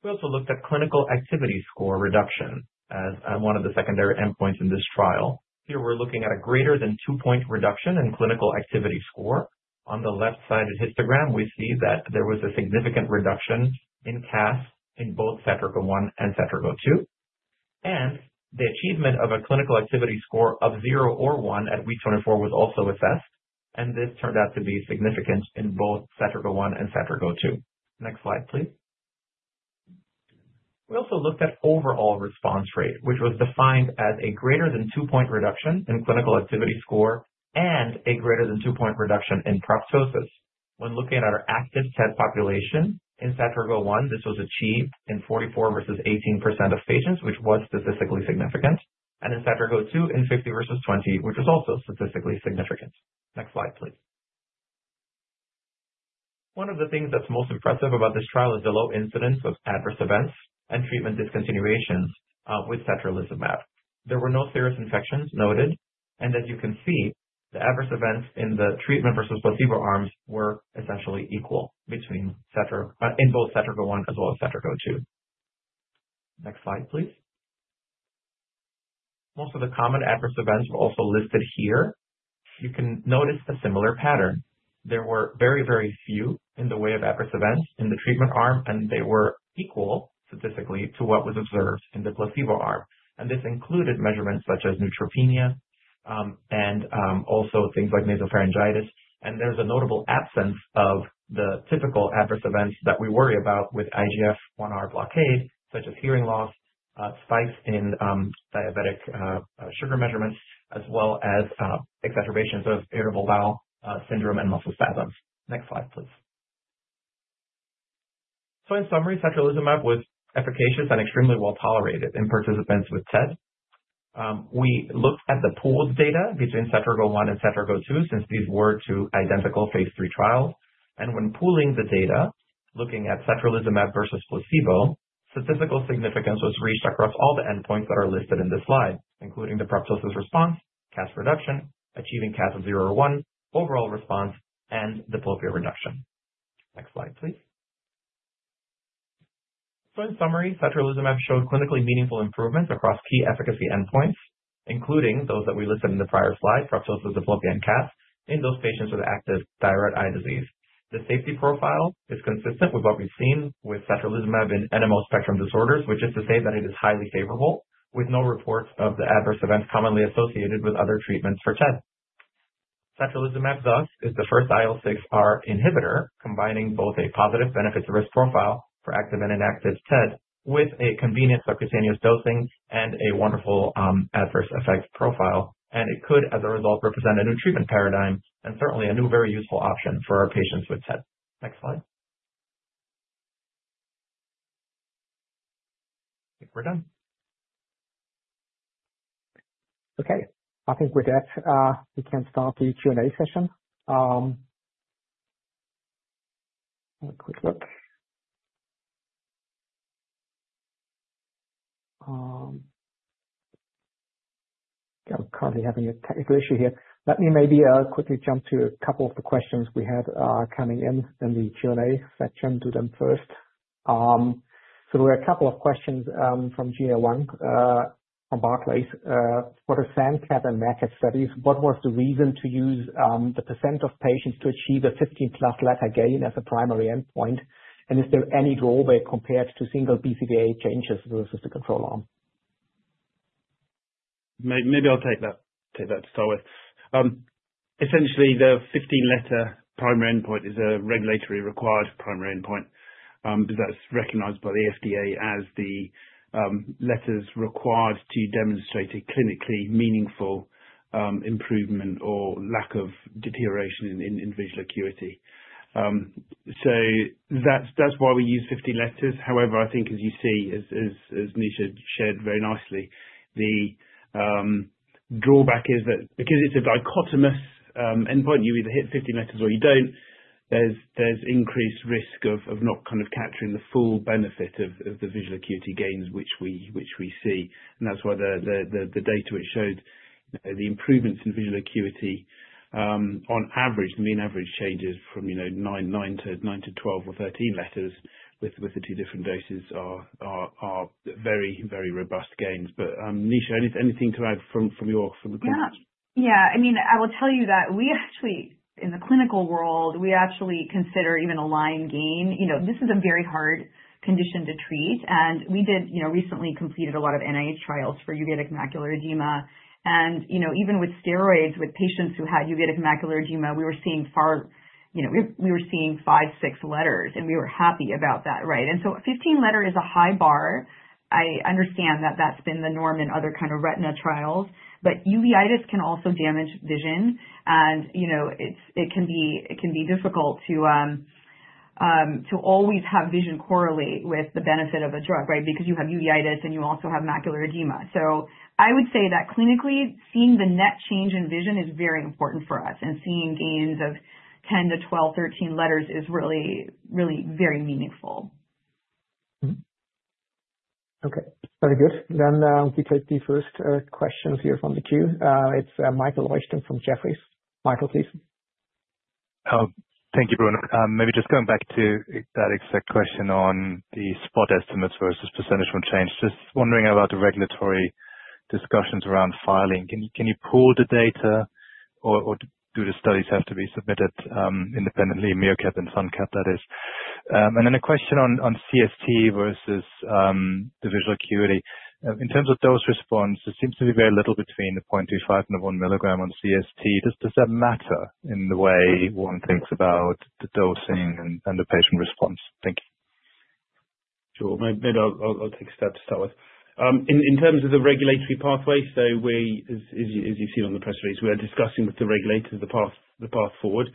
We also looked at clinical activity score reduction as one of the secondary endpoints in this trial. Here, we're looking at a greater than two-point reduction in clinical activity score. On the left-sided histogram, we see that there was a significant reduction in CAS in both SatraGO-1 and SatraGO-2. And the achievement of a clinical activity score of 0 or 1 at week 24 was also assessed. And this turned out to be significant in both SatraGO-1 and SatraGO-2. Next slide, please. We also looked at overall response rate, which was defined as a greater than two-point reduction in clinical activity score and a greater than two-point reduction in proptosis. When looking at our active set population in SatraGO-1, this was achieved in 44% versus 18% of patients, which was statistically significant. And in SatraGO-2, in 50% versus 20%, which was also statistically significant. Next slide, please. One of the things that's most impressive about this trial is the low incidence of adverse events and treatment discontinuations with satralizumab. There were no serious infections noted. And as you can see, the adverse events in the treatment versus placebo arms were essentially equal in both SatraGO-1 as well as SatraGO-2. Next slide, please. Most of the common adverse events were also listed here. You can notice a similar pattern. There were very, very few in the way of adverse events in the treatment arm, and they were equal statistically to what was observed in the placebo arm, and this included measurements such as neutropenia and also things like nasopharyngitis, and there's a notable absence of the typical adverse events that we worry about with IGF-1R blockade, such as hearing loss, spikes in diabetic sugar measurements, as well as exacerbations of irritable bowel syndrome and muscle spasms. Next slide, please. So in summary, satralizumab was efficacious and extremely well tolerated in participants with TED. We looked at the pooled data between SatraGO-1 and SatraGO-2 since these were two identical phase III trials. And when pooling the data, looking at satralizumab versus placebo, statistical significance was reached across all the endpoints that are listed in this slide, including the proptosis response, CAS reduction, achieving CAS of 0 or 1, overall response, and diplopia reduction. Next slide, please. So in summary, satralizumab showed clinically meaningful improvements across key efficacy endpoints, including those that we listed in the prior slide, proptosis, diplopia, and CAS in those patients with active thyroid eye disease. The safety profile is consistent with what we've seen with satralizumab in NMO spectrum disorders, which is to say that it is highly favorable, with no reports of the adverse events commonly associated with other treatments for TED. Satralizumab, thus, is the first IL-6R inhibitor combining both a positive benefits-to-risk profile for active and inactive TED with a convenient subcutaneous dosing and a wonderful adverse effects profile. And it could, as a result, represent a new treatment paradigm and certainly a new very useful option for our patients with TED. Next slide. I think we're done. Okay. I think with that, we can start the Q&A session. Quick look. I'm currently having a technical issue here. Let me maybe quickly jump to a couple of the questions we had coming in in the Q&A section. Do them first. So there were a couple of questions from Gina Wang from Barclays. For the SANDCAT and MEERKAT studies, what was the reason to use the percent of patients to achieve a 15+ letter gain as a primary endpoint? And is there any drawback compared to single BCVA changes versus the control arm? Maybe I'll take that to start with. Essentially, the 15-letter primary endpoint is a regulatory required primary endpoint because that's recognized by the FDA as the letters required to demonstrate a clinically meaningful improvement or lack of deterioration in visual acuity. So that's why we use 15 letters. However, I think, as you see, as Nisha shared very nicely, the drawback is that because it's a dichotomous endpoint, you either hit 15 letters or you don't, there's increased risk of not kind of capturing the full benefit of the visual acuity gains, which we see. And that's why the data which showed the improvements in visual acuity on average, the mean average changes from nine to 12 or 13 letters with the two different doses are very, very robust gains. But Nisha, anything to add from the group? Yeah. Yeah. I mean, I will tell you that we actually, in the clinical world, we actually consider even a line gain. This is a very hard condition to treat, and we recently completed a lot of NIH trials for uveitic macular edema, and even with steroids, with patients who had uveitic macular edema, we were seeing far, we were seeing five, six letters, and we were happy about that, right, and so a 15-letter is a high bar. I understand that that's been the norm in other kind of retina trials, but uveitis can also damage vision, and it can be difficult to always have vision correlate with the benefit of a drug, right, because you have uveitis and you also have macular edema, so I would say that clinically, seeing the net change in vision is very important for us. Seeing gains of 10-13 letters is really, really very meaningful. Okay. Very good. We take the first questions here from the queue. It's Michael Leuchten from Jefferies. Michael, please. Thank you, Bruno. Maybe just going back to that exact question on the spot estimates versus percentage from change, just wondering about the regulatory discussions around filing. Can you pool the data or do the studies have to be submitted independently, MEERKAT and SANDCAT, that is? And then a question on CST versus the visual acuity. In terms of dose response, it seems to be very little between the 0.25 and the 1 milligram on CST. Does that matter in the way one thinks about the dosing and the patient response? Thank you. Sure. Maybe I'll take a step to start with. In terms of the regulatory pathway, so we, as you've seen on the press release, we are discussing with the regulators the path forward.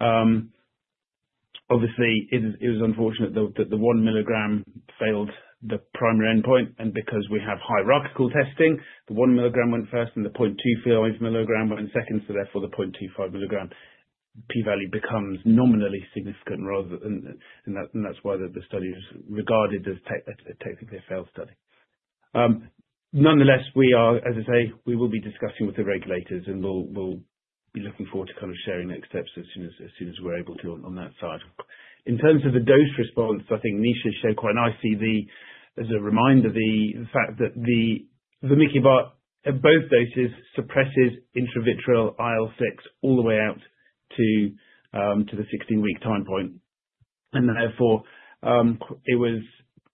Obviously, it was unfortunate that the 1 milligram failed the primary endpoint, and because we have hierarchical testing, the 1 milligram went first and the 0.25 milligram went second, so therefore, the 0.25 milligram p-value becomes nominally significant rather than, and that's why the study was regarded as technically a failed study. Nonetheless, we are, as I say, we will be discussing with the regulators, and we'll be looking forward to kind of sharing next steps as soon as we're able to on that side. In terms of the dose response, I think Nisha showed quite nicely as a reminder the fact that the vamikibart at both doses suppresses intravitreal IL-6 all the way out to the 16-week time point. And therefore, it was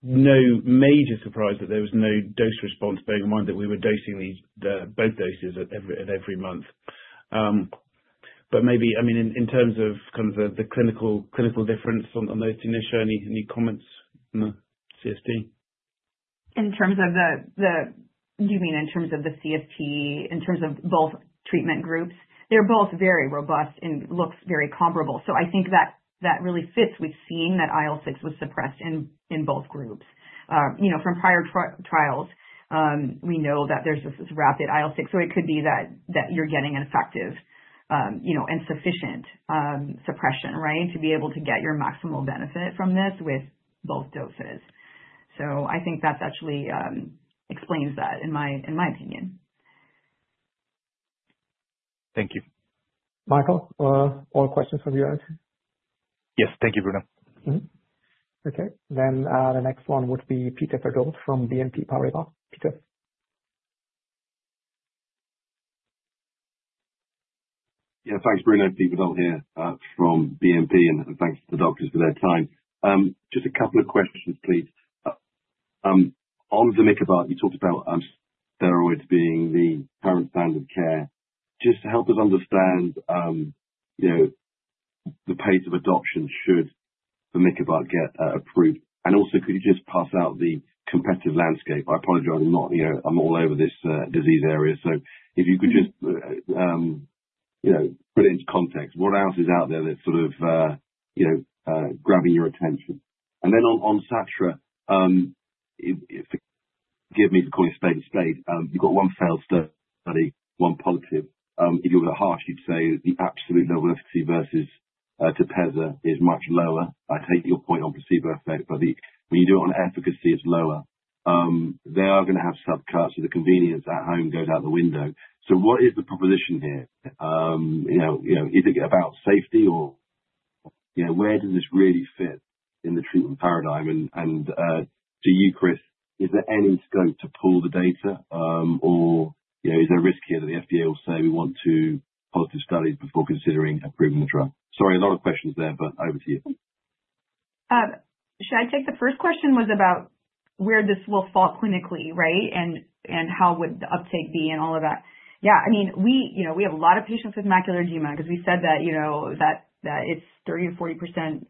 no major surprise that there was no dose response, bearing in mind that we were dosing both doses at every month. But maybe, I mean, in terms of kind of the clinical difference on those, Nisha, any comments on the CST? In terms of the, do you mean in terms of the CST, in terms of both treatment groups? They're both very robust and look very comparable. So I think that really fits. We've seen that IL-6 was suppressed in both groups. From prior trials, we know that there's this rapid IL-6. So it could be that you're getting an effective and sufficient suppression, right, to be able to get your maximal benefit from this with both doses. So I think that actually explains that, in my opinion. Thank you. Michael, more questions from you guys? Yes. Thank you, Bruno. Okay. Then the next one would be Peter Verdult from BNP Paribas. Peter. Yeah. Thanks, Bruno. Peter Verdult here from BNP, and thanks to the doctors for their time. Just a couple of questions, please. On vamikibart, you talked about steroids being the current standard of care. Just to help us understand the pace of adoption, should vamikibart get approved? And also, could you just parse out the competitive landscape? I apologize. I'm all over this disease area. So if you could just put it into context, what else is out there that's sort of grabbing your attention? And then on Satra, forgive me for calling it SatraGO, you've got one failed study, one positive. If you were harsh, you'd say the absolute level of efficacy versus Tepezza is much lower. I take your point on placebo effect, but when you do it on efficacy, it's lower. They are going to have subcuts, so the convenience at home goes out the window. So what is the proposition here? Is it about safety, or where does this really fit in the treatment paradigm? And to you, Chris, is there any scope to pool the data, or is there a risk here that the FDA will say, "We want two positive studies before considering approving the drug"? Sorry, a lot of questions there, but over to you. Should I take the first question? It was about where this will fall clinically, right, and how would the uptake be and all of that. Yeah. I mean, we have a lot of patients with macular edema because we said that it's 30% or 40%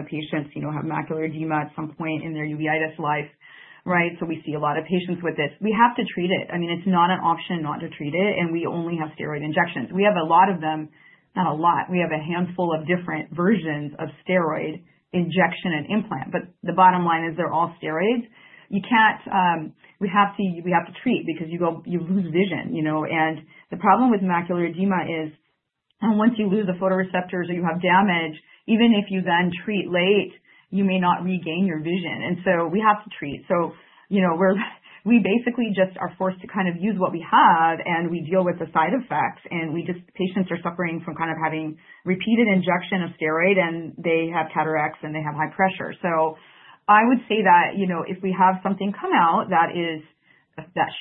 of patients have macular edema at some point in their uveitis life, right? So we see a lot of patients with this. We have to treat it. I mean, it's not an option not to treat it, and we only have steroid injections. We have a lot of them, not a lot. We have a handful of different versions of steroid injection and implant. But the bottom line is they're all steroids. We have to treat because you lose vision. And the problem with macular edema is once you lose the photoreceptors or you have damage, even if you then treat late, you may not regain your vision. And so we have to treat. So we basically just are forced to kind of use what we have, and we deal with the side effects. And patients are suffering from kind of having repeated injection of steroid, and they have cataracts, and they have high pressure. So I would say that if we have something come out that is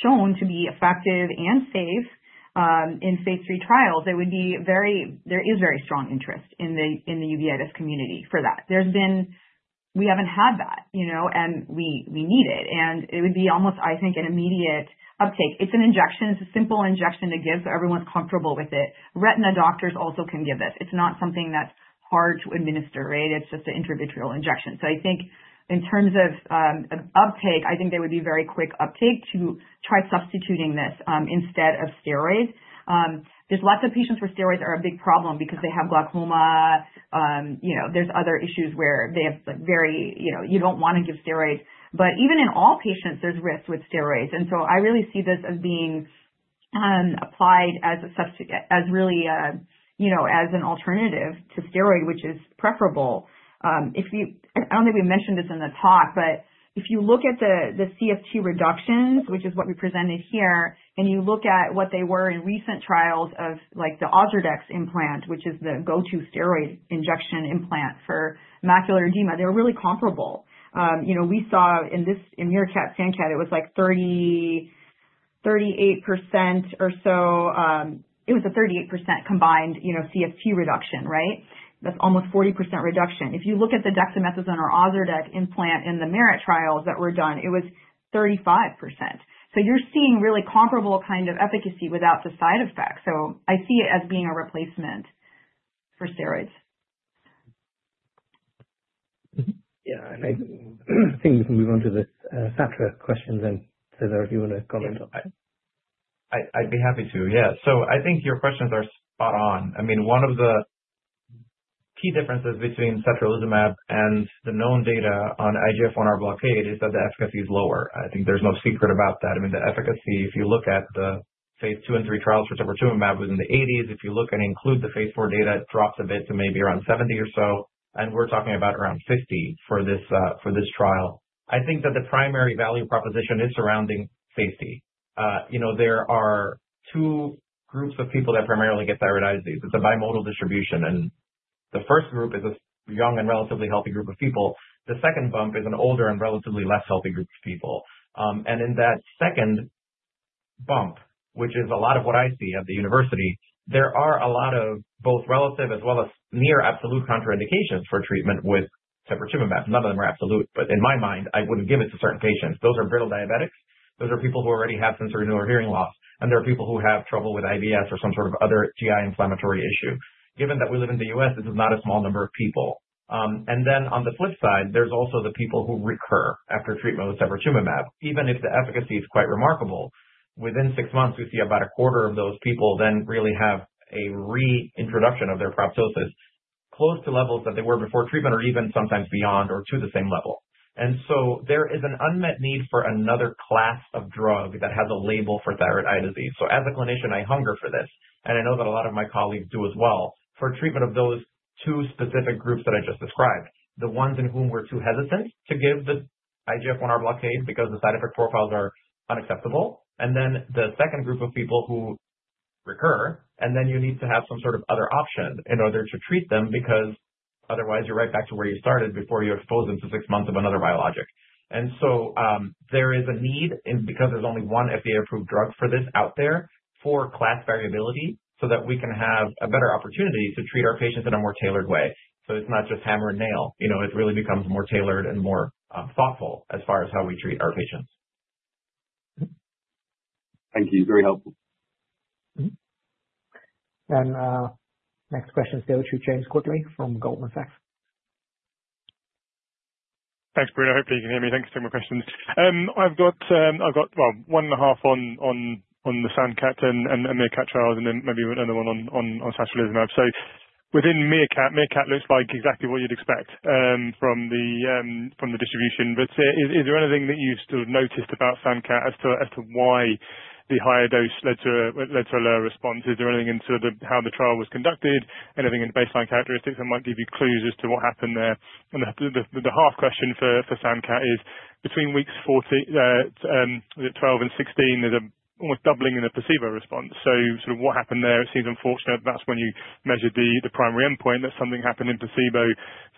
shown to be effective and safe in phase III trials, there is very strong interest in the uveitis community for that. We haven't had that, and we need it. And it would be almost, I think, an immediate uptake. It's an injection. It's a simple injection to give, so everyone's comfortable with it. Retina doctors also can give this. It's not something that's hard to administer, right? It's just an intravitreal injection. So I think in terms of uptake, I think there would be very quick uptake to try substituting this instead of steroids. There's lots of patients where steroids are a big problem because they have glaucoma. There's other issues where they have very, you don't want to give steroids. But even in all patients, there's risks with steroids. And so I really see this as being applied as really an alternative to steroid, which is preferable. I don't think we mentioned this in the talk, but if you look at the CST reductions, which is what we presented here, and you look at what they were in recent trials of the Ozurdex implant, which is the go-to steroid injection implant for macular edema, they were really comparable. We saw in MEERKAT and SANDCAT, it was like 38% or so. It was a 38% combined CST reduction, right? That's almost 40% reduction. If you look at the dexamethasone or Ozurdex implant in the MERIT trials that were done, it was 35%. So you're seeing really comparable kind of efficacy without the side effects. So I see it as being a replacement for steroids. Yeah. And I think we can move on to the SatraGO question then. So, César, do you want to comment on that? I'd be happy to. Yeah. So I think your questions are spot on. I mean, one of the key differences between satralizumab and the known data on IGF-1R blockade is that the efficacy is lower. I think there's no secret about that. I mean, the efficacy, if you look at the phase II and III trials for Tepezza, was in the 80s. If you look and include the phase IV data, it drops a bit to maybe around 70 or so. And we're talking about around 50 for this trial. I think that the primary value proposition is surrounding safety. There are two groups of people that primarily get thyroid eye disease. It's a bimodal distribution. And the first group is a young and relatively healthy group of people. The second bump is an older and relatively less healthy group of people. And in that second bump, which is a lot of what I see at the university, there are a lot of both relative as well as near absolute contraindications for treatment with Tepezza. None of them are absolute. But in my mind, I wouldn't give it to certain patients. Those are brittle diabetics. Those are people who already have sensorineural hearing loss. And there are people who have trouble with IBS or some sort of other GI inflammatory issue. Given that we live in the U.S., this is not a small number of people. And then on the flip side, there's also the people who recur after treatment with Tepezza. Even if the efficacy is quite remarkable, within six months, we see about a quarter of those people then really have a reintroduction of their proptosis close to levels that they were before treatment or even sometimes beyond or to the same level. And so there is an unmet need for another class of drug that has a label for thyroid eye disease. So as a clinician, I hunger for this. And I know that a lot of my colleagues do as well for treatment of those two specific groups that I just described, the ones in whom we're too hesitant to give the IGF-1R blockade because the side effect profiles are unacceptable. And then the second group of people who recur, and then you need to have some sort of other option in order to treat them because otherwise, you're right back to where you started before you expose them to six months of another biologic. And so there is a need because there's only one FDA-approved drug for this out there for class variability so that we can have a better opportunity to treat our patients in a more tailored way. So it's not just hammer and nail. It really becomes more tailored and more thoughtful as far as how we treat our patients. Thank you. Very helpful. And next question is going to James Quigley from Goldman Sachs. Thanks, Bruno. Hope you can hear me. Thanks for taking my questions. I've got, well, one and a half on the SANDCAT and MEERKAT trials and then maybe another one on satralizumab. So within MEERKAT, MEERKAT looks like exactly what you'd expect from the distribution. But is there anything that you've sort of noticed about SANDCAT as to why the higher dose led to a lower response? Is there anything in sort of how the trial was conducted, anything in the baseline characteristics that might give you clues as to what happened there? And the half question for SANDCAT is between weeks 12 and 16, there's almost doubling in the placebo response. So sort of what happened there? It seems unfortunate that that's when you measured the primary endpoint, that something happened in placebo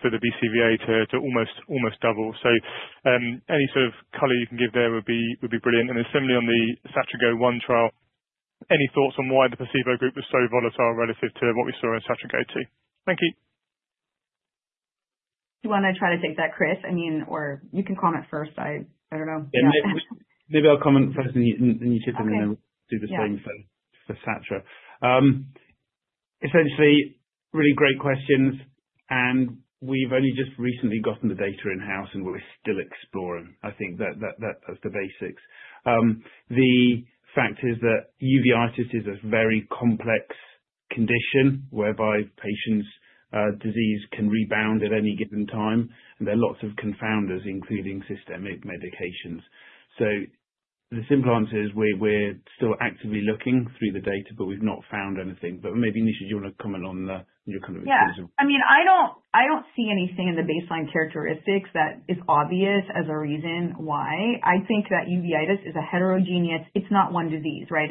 for the BCVA to almost double. So any sort of color you can give there would be brilliant. And then similarly, on the SatraGO-1 trial, any thoughts on why the placebo group was so volatile relative to what we saw in SatraGO-2? Thank you. Do you want to try to take that, Chris? I mean, or you can comment first. I don't know. Maybe I'll comment first, and then you chip in, and then we'll do the same for Satra. Essentially, really great questions. And we've only just recently gotten the data in-house, and we're still exploring. I think that's the basics. The fact is that uveitis is a very complex condition whereby patients' disease can rebound at any given time. And there are lots of confounders, including systemic medications. So the simple answer is we're still actively looking through the data, but we've not found anything. But maybe, Nisha, do you want to comment on your kind of experience? Yeah. I mean, I don't see anything in the baseline characteristics that is obvious as a reason why. I think that uveitis is a heterogeneous, it's not one disease, right?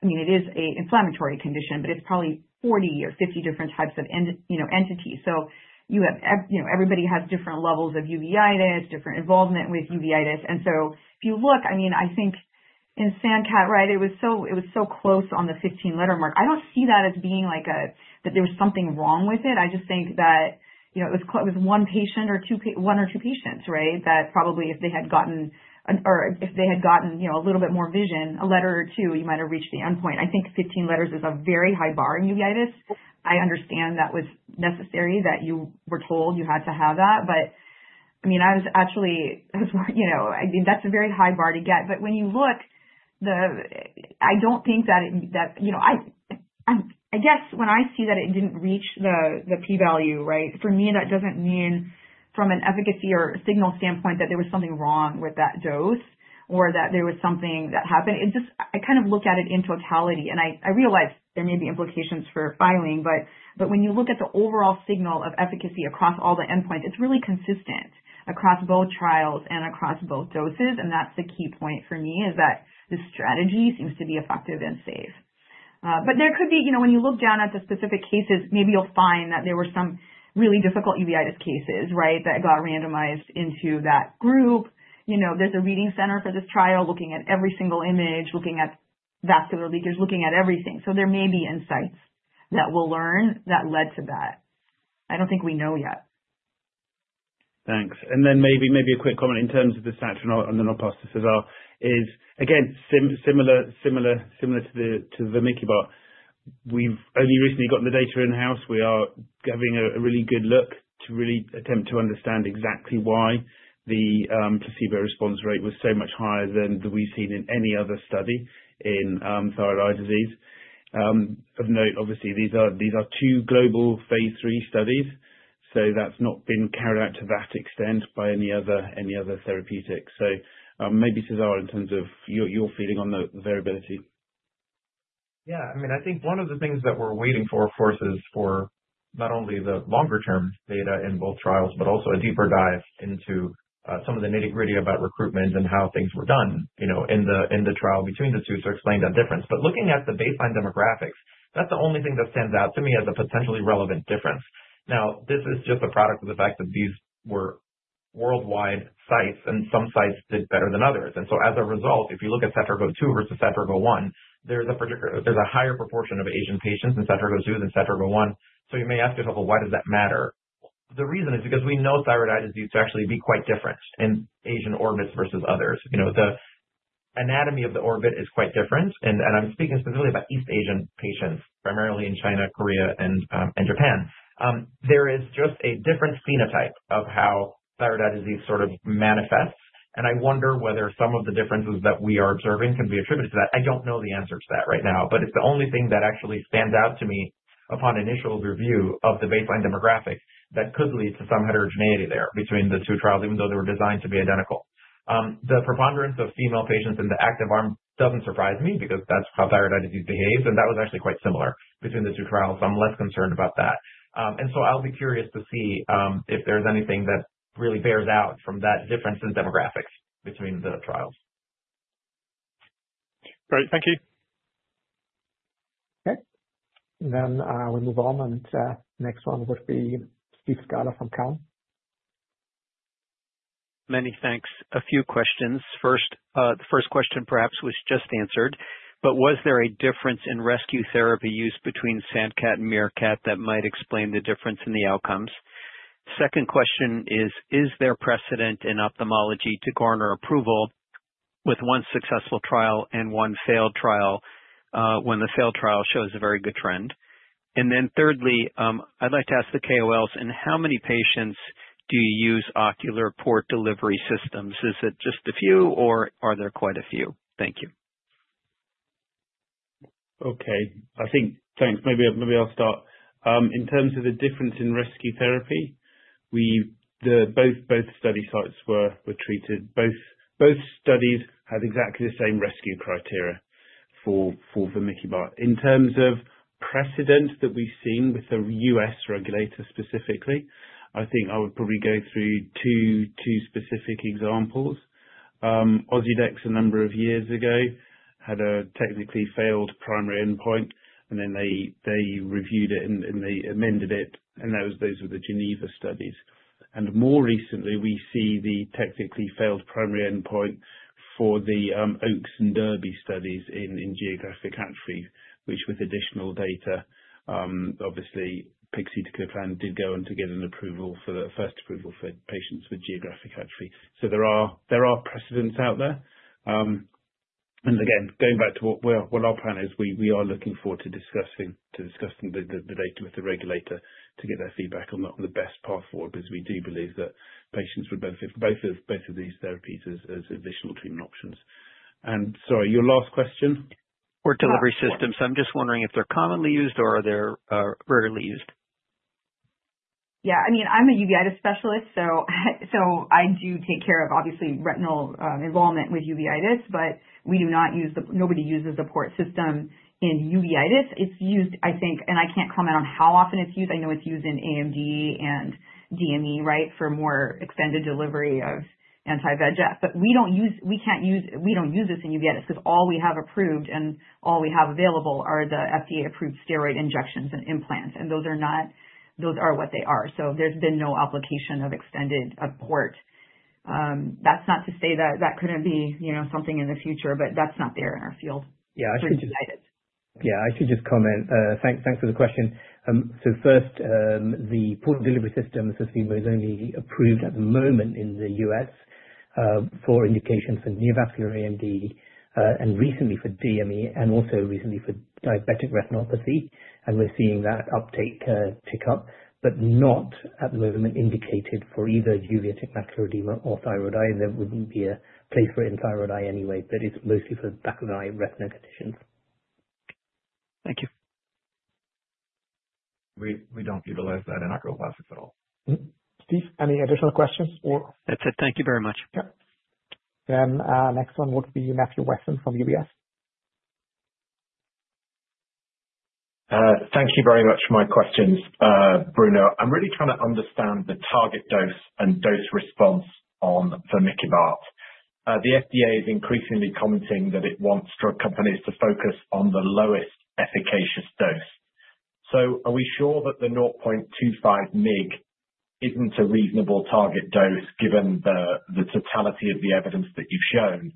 I mean, it is an inflammatory condition, but it's probably 40 or 50 different types of entities. So everybody has different levels of uveitis, different involvement with uveitis. And so if you look, I mean, I think in SANDCAT, right, it was so close on the 15-letter mark. I don't see that as being like that there was something wrong with it. I just think that it was one patient or one or two patients, right, that probably if they had gotten, or if they had gotten a little bit more vision, a letter or two, you might have reached the endpoint. I think 15 letters is a very high bar in uveitis. I understand that was necessary that you were told you had to have that. But I mean, I was actually, I mean, that's a very high bar to get. But when you look, I don't think that, I guess when I see that it didn't reach the p-value, right, for me, that doesn't mean from an efficacy or signal standpoint that there was something wrong with that dose or that there was something that happened. I kind of look at it in totality, and I realize there may be implications for filing. But when you look at the overall signal of efficacy across all the endpoints, it's really consistent across both trials and across both doses, and that's the key point for me is that the strategy seems to be effective and safe. But there could be, when you look down at the specific cases, maybe you'll find that there were some really difficult uveitis cases, right, that got randomized into that group. There's a reading center for this trial looking at every single image, looking at vascular leakage, looking at everything. So there may be insights that we'll learn that led to that. I don't think we know yet. Thanks. And then maybe a quick comment in terms of the Satra, and then I'll pass this as well, is, again, similar to the vamikibart. We've only recently gotten the data in-house. We are having a really good look to really attempt to understand exactly why the placebo response rate was so much higher than we've seen in any other study in thyroid eye disease. Of note, obviously, these are two global phase III studies. So that's not been carried out to that extent by any other therapeutics. So maybe, César, in terms of your feeling on the variability. Yeah. I mean, I think one of the things that we're waiting for, of course, is for not only the longer-term data in both trials, but also a deeper dive into some of the nitty-gritty about recruitment and how things were done in the trial between the two to explain that difference. But looking at the baseline demographics, that's the only thing that stands out to me as a potentially relevant difference. Now, this is just a product of the fact that these were worldwide sites, and some sites did better than others. And so as a result, if you look at SatraGO-2 versus SatraGO-1, there's a higher proportion of Asian patients in SatraGO-2 than SatraGO-1. So you may ask yourself, "Well, why does that matter?" The reason is because we know thyroid eye disease to actually be quite different in Asian orbits versus others. The anatomy of the orbit is quite different, and I'm speaking specifically about East Asian patients, primarily in China, Korea, and Japan. There is just a different phenotype of how thyroid eye disease sort of manifests, and I wonder whether some of the differences that we are observing can be attributed to that. I don't know the answer to that right now, but it's the only thing that actually stands out to me upon initial review of the baseline demographic that could lead to some heterogeneity there between the two trials, even though they were designed to be identical. The preponderance of female patients in the active arm doesn't surprise me because that's how thyroid eye disease behaves, and that was actually quite similar between the two trials, so I'm less concerned about that. And so I'll be curious to see if there's anything that really bears out from that difference in demographics between the trials. Great. Thank you. Okay. Then we'll move on. And next one would be Steve Scala from Cowen. Many thanks. A few questions. First, the first question perhaps was just answered. But was there a difference in rescue therapy used between SANDCAT and MEERKAT that might explain the difference in the outcomes? Second question is, is there precedent in ophthalmology to garner approval with one successful trial and one failed trial when the failed trial shows a very good trend? And then thirdly, I'd like to ask the KOLs, in how many patients do you use ocular Port Delivery Systems? Is it just a few, or are there quite a few? Thank you. Okay. I think thanks. Maybe I'll start. In terms of the difference in rescue therapy, both study sites were treated. Both studies had exactly the same rescue criteria for vamikibart. In terms of precedent that we've seen with the U.S. regulator specifically, I think I would probably go through two specific examples. Ozurdex, a number of years ago, had a technically failed primary endpoint, and then they reviewed it, and they amended it. Those were the GENEVA studies. More recently, we see the technically failed primary endpoint for the OAKS and DERBY studies in geographic atrophy, which with additional data, obviously, pegcetacoplan did go on to get an approval for the first approval for patients with geographic atrophy. So there are precedents out there. Again, going back to what our plan is, we are looking forward to discussing the data with the regulator to get their feedback on the best path forward because we do believe that patients would benefit from both of these therapies as additional treatment options. Sorry, your last question? Port delivery systems. I'm just wondering if they're commonly used or are they rarely used? Yeah. I mean, I'm a uveitis specialist. So I do take care of, obviously, retinal involvement with uveitis. But we do not use the. Nobody uses the port system in uveitis. It's used, I think, and I can't comment on how often it's used. I know it's used in AMD and DME, right, for more extended delivery of anti-VEGF. But we can't use this in uveitis because all we have approved and all we have available are the FDA-approved steroid injections and implants. And those are what they are. So there's been no application of extended port. That's not to say that that couldn't be something in the future, but that's not there in our field. Yeah. I should just. Yeah. I should just comment. Thanks for the question. So first, the Port Delivery System for Susvimo is only approved at the moment in the U.S. for indication for neovascular AMD and recently for DME and also recently for diabetic retinopathy. And we're seeing that uptake tick up, but not at the moment indicated for either uveitic macular edema or thyroid eye. There wouldn't be a place for it in thyroid eye anyway, but it's mostly for back of the eye retina conditions. Thank you. We don't utilize that in oculoplastics at all. Steve, any additional questions or. That's it. Thank you very much. Yep. Then next one would be Matthew Weston from UBS. Thank you very much for my questions, Bruno. I'm really trying to understand the target dose and dose response on vamikibart. The FDA is increasingly commenting that it wants drug companies to focus on the lowest efficacious dose. So are we sure that the 0.25 mg isn't a reasonable target dose given the totality of the evidence that you've shown?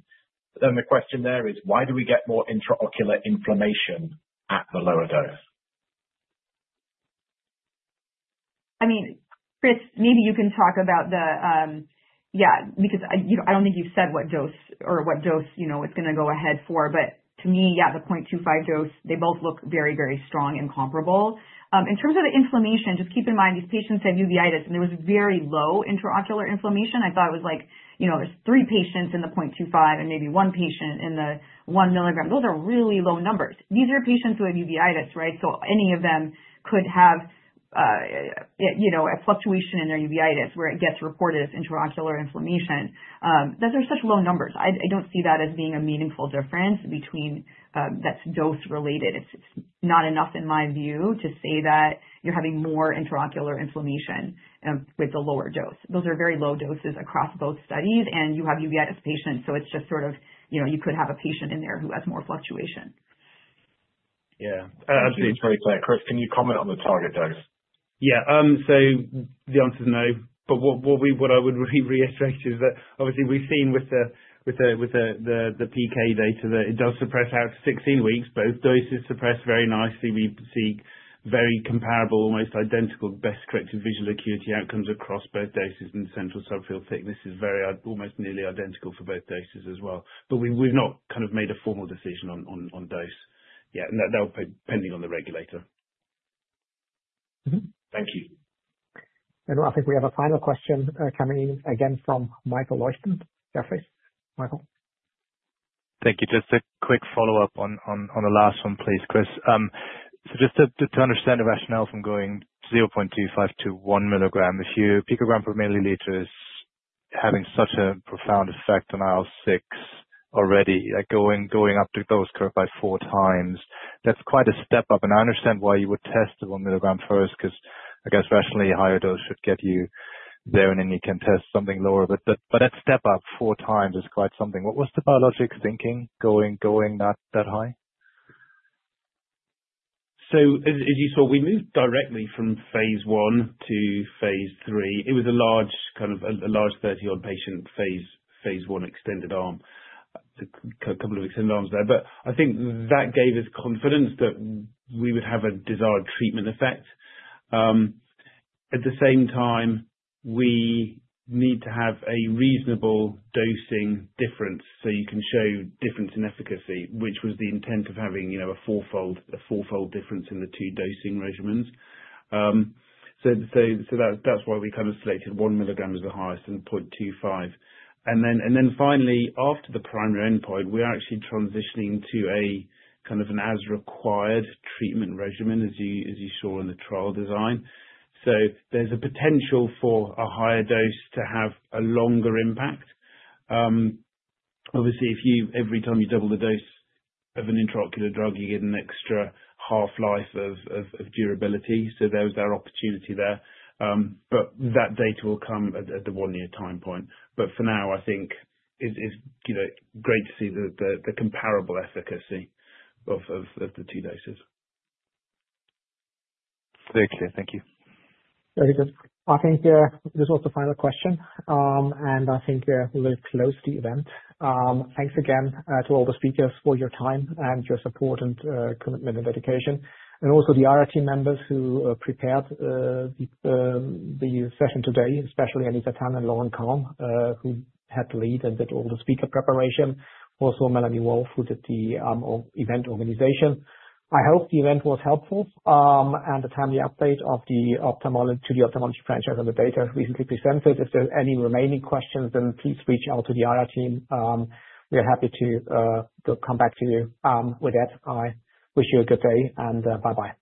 Then the question there is, why do we get more intraocular inflammation at the lower dose? I mean, Chris, maybe you can talk about the, yeah, because I don't think you've said what dose or what dose it's going to go ahead for. But to me, yeah, the 0.25 dose, they both look very, very strong and comparable. In terms of the inflammation, just keep in mind these patients have uveitis, and there was very low intraocular inflammation. I thought it was like there's three patients in the 0.25 and maybe one patient in the 1 mg. Those are really low numbers. These are patients who have uveitis, right? So any of them could have a fluctuation in their uveitis where it gets reported as intraocular inflammation. Those are such low numbers. I don't see that as being a meaningful difference between. That's dose-related. It's not enough, in my view, to say that you're having more intraocular inflammation with the lower dose. Those are very low doses across both studies. And you have uveitis patients, so it's just sort of you could have a patient in there who has more fluctuation. Yeah. Absolutely totally correct. Chris, can you comment on the target dose? Yeah. So the answer's no. But what I would reiterate is that, obviously, we've seen with the PK data that it does suppress out to 16 weeks. Both doses suppress very nicely. We see very comparable, almost identical, best-corrected visual acuity outcomes across both doses in the central subfield thickness is almost nearly identical for both doses as well. But we've not kind of made a formal decision on dose yet. And that will be pending on the regulator. Thank you. And I think we have a final question coming in again from Michael Leuchten, Jefferies. Michael. Thank you. Just a quick follow-up on the last one, please, Chris. So just to understand the rationale from going 0.25 to 1 mg, if your picogram per milliliter is having such a profound effect on IL-6 already, going up to those curves by four times, that's quite a step up. I understand why you would test the 1 mg first because, I guess, rationally, a higher dose should get you there, and then you can test something lower. But that step up four times is quite something. What was the biologic thinking going that high? As you saw, we moved directly from phase I to phase III It was a large kind of 30-odd patient phase I extended arm, a couple of extended arms there. But I think that gave us confidence that we would have a desired treatment effect. At the same time, we need to have a reasonable dosing difference so you can show difference in efficacy, which was the intent of having a four-fold difference in the two dosing regimens. That's why we kind of selected 1 mg as the highest and 0.25. And then finally, after the primary endpoint, we're actually transitioning to a kind of an as-required treatment regimen, as you saw in the trial design. So there's a potential for a higher dose to have a longer impact. Obviously, every time you double the dose of an intraocular drug, you get an extra half-life of durability. So there was that opportunity there. But that data will come at the one-year time point. But for now, I think it's great to see the comparable efficacy of the two doses. Very clear. Thank you. Very good. I think this was the final question. And I think we'll close the event. Thanks again to all the speakers for your time and your support and commitment and dedication. And also the IR team members who prepared the session today, especially Anita Tan and Lauren Kong, who had the lead and did all the speaker preparation. Also, Melanie Wolf, who did the event organization. I hope the event was helpful and a timely update on the ophthalmology franchise and the data recently presented. If there are any remaining questions, then please reach out to the IR team. We are happy to come back to you with that. I wish you a good day and bye-bye.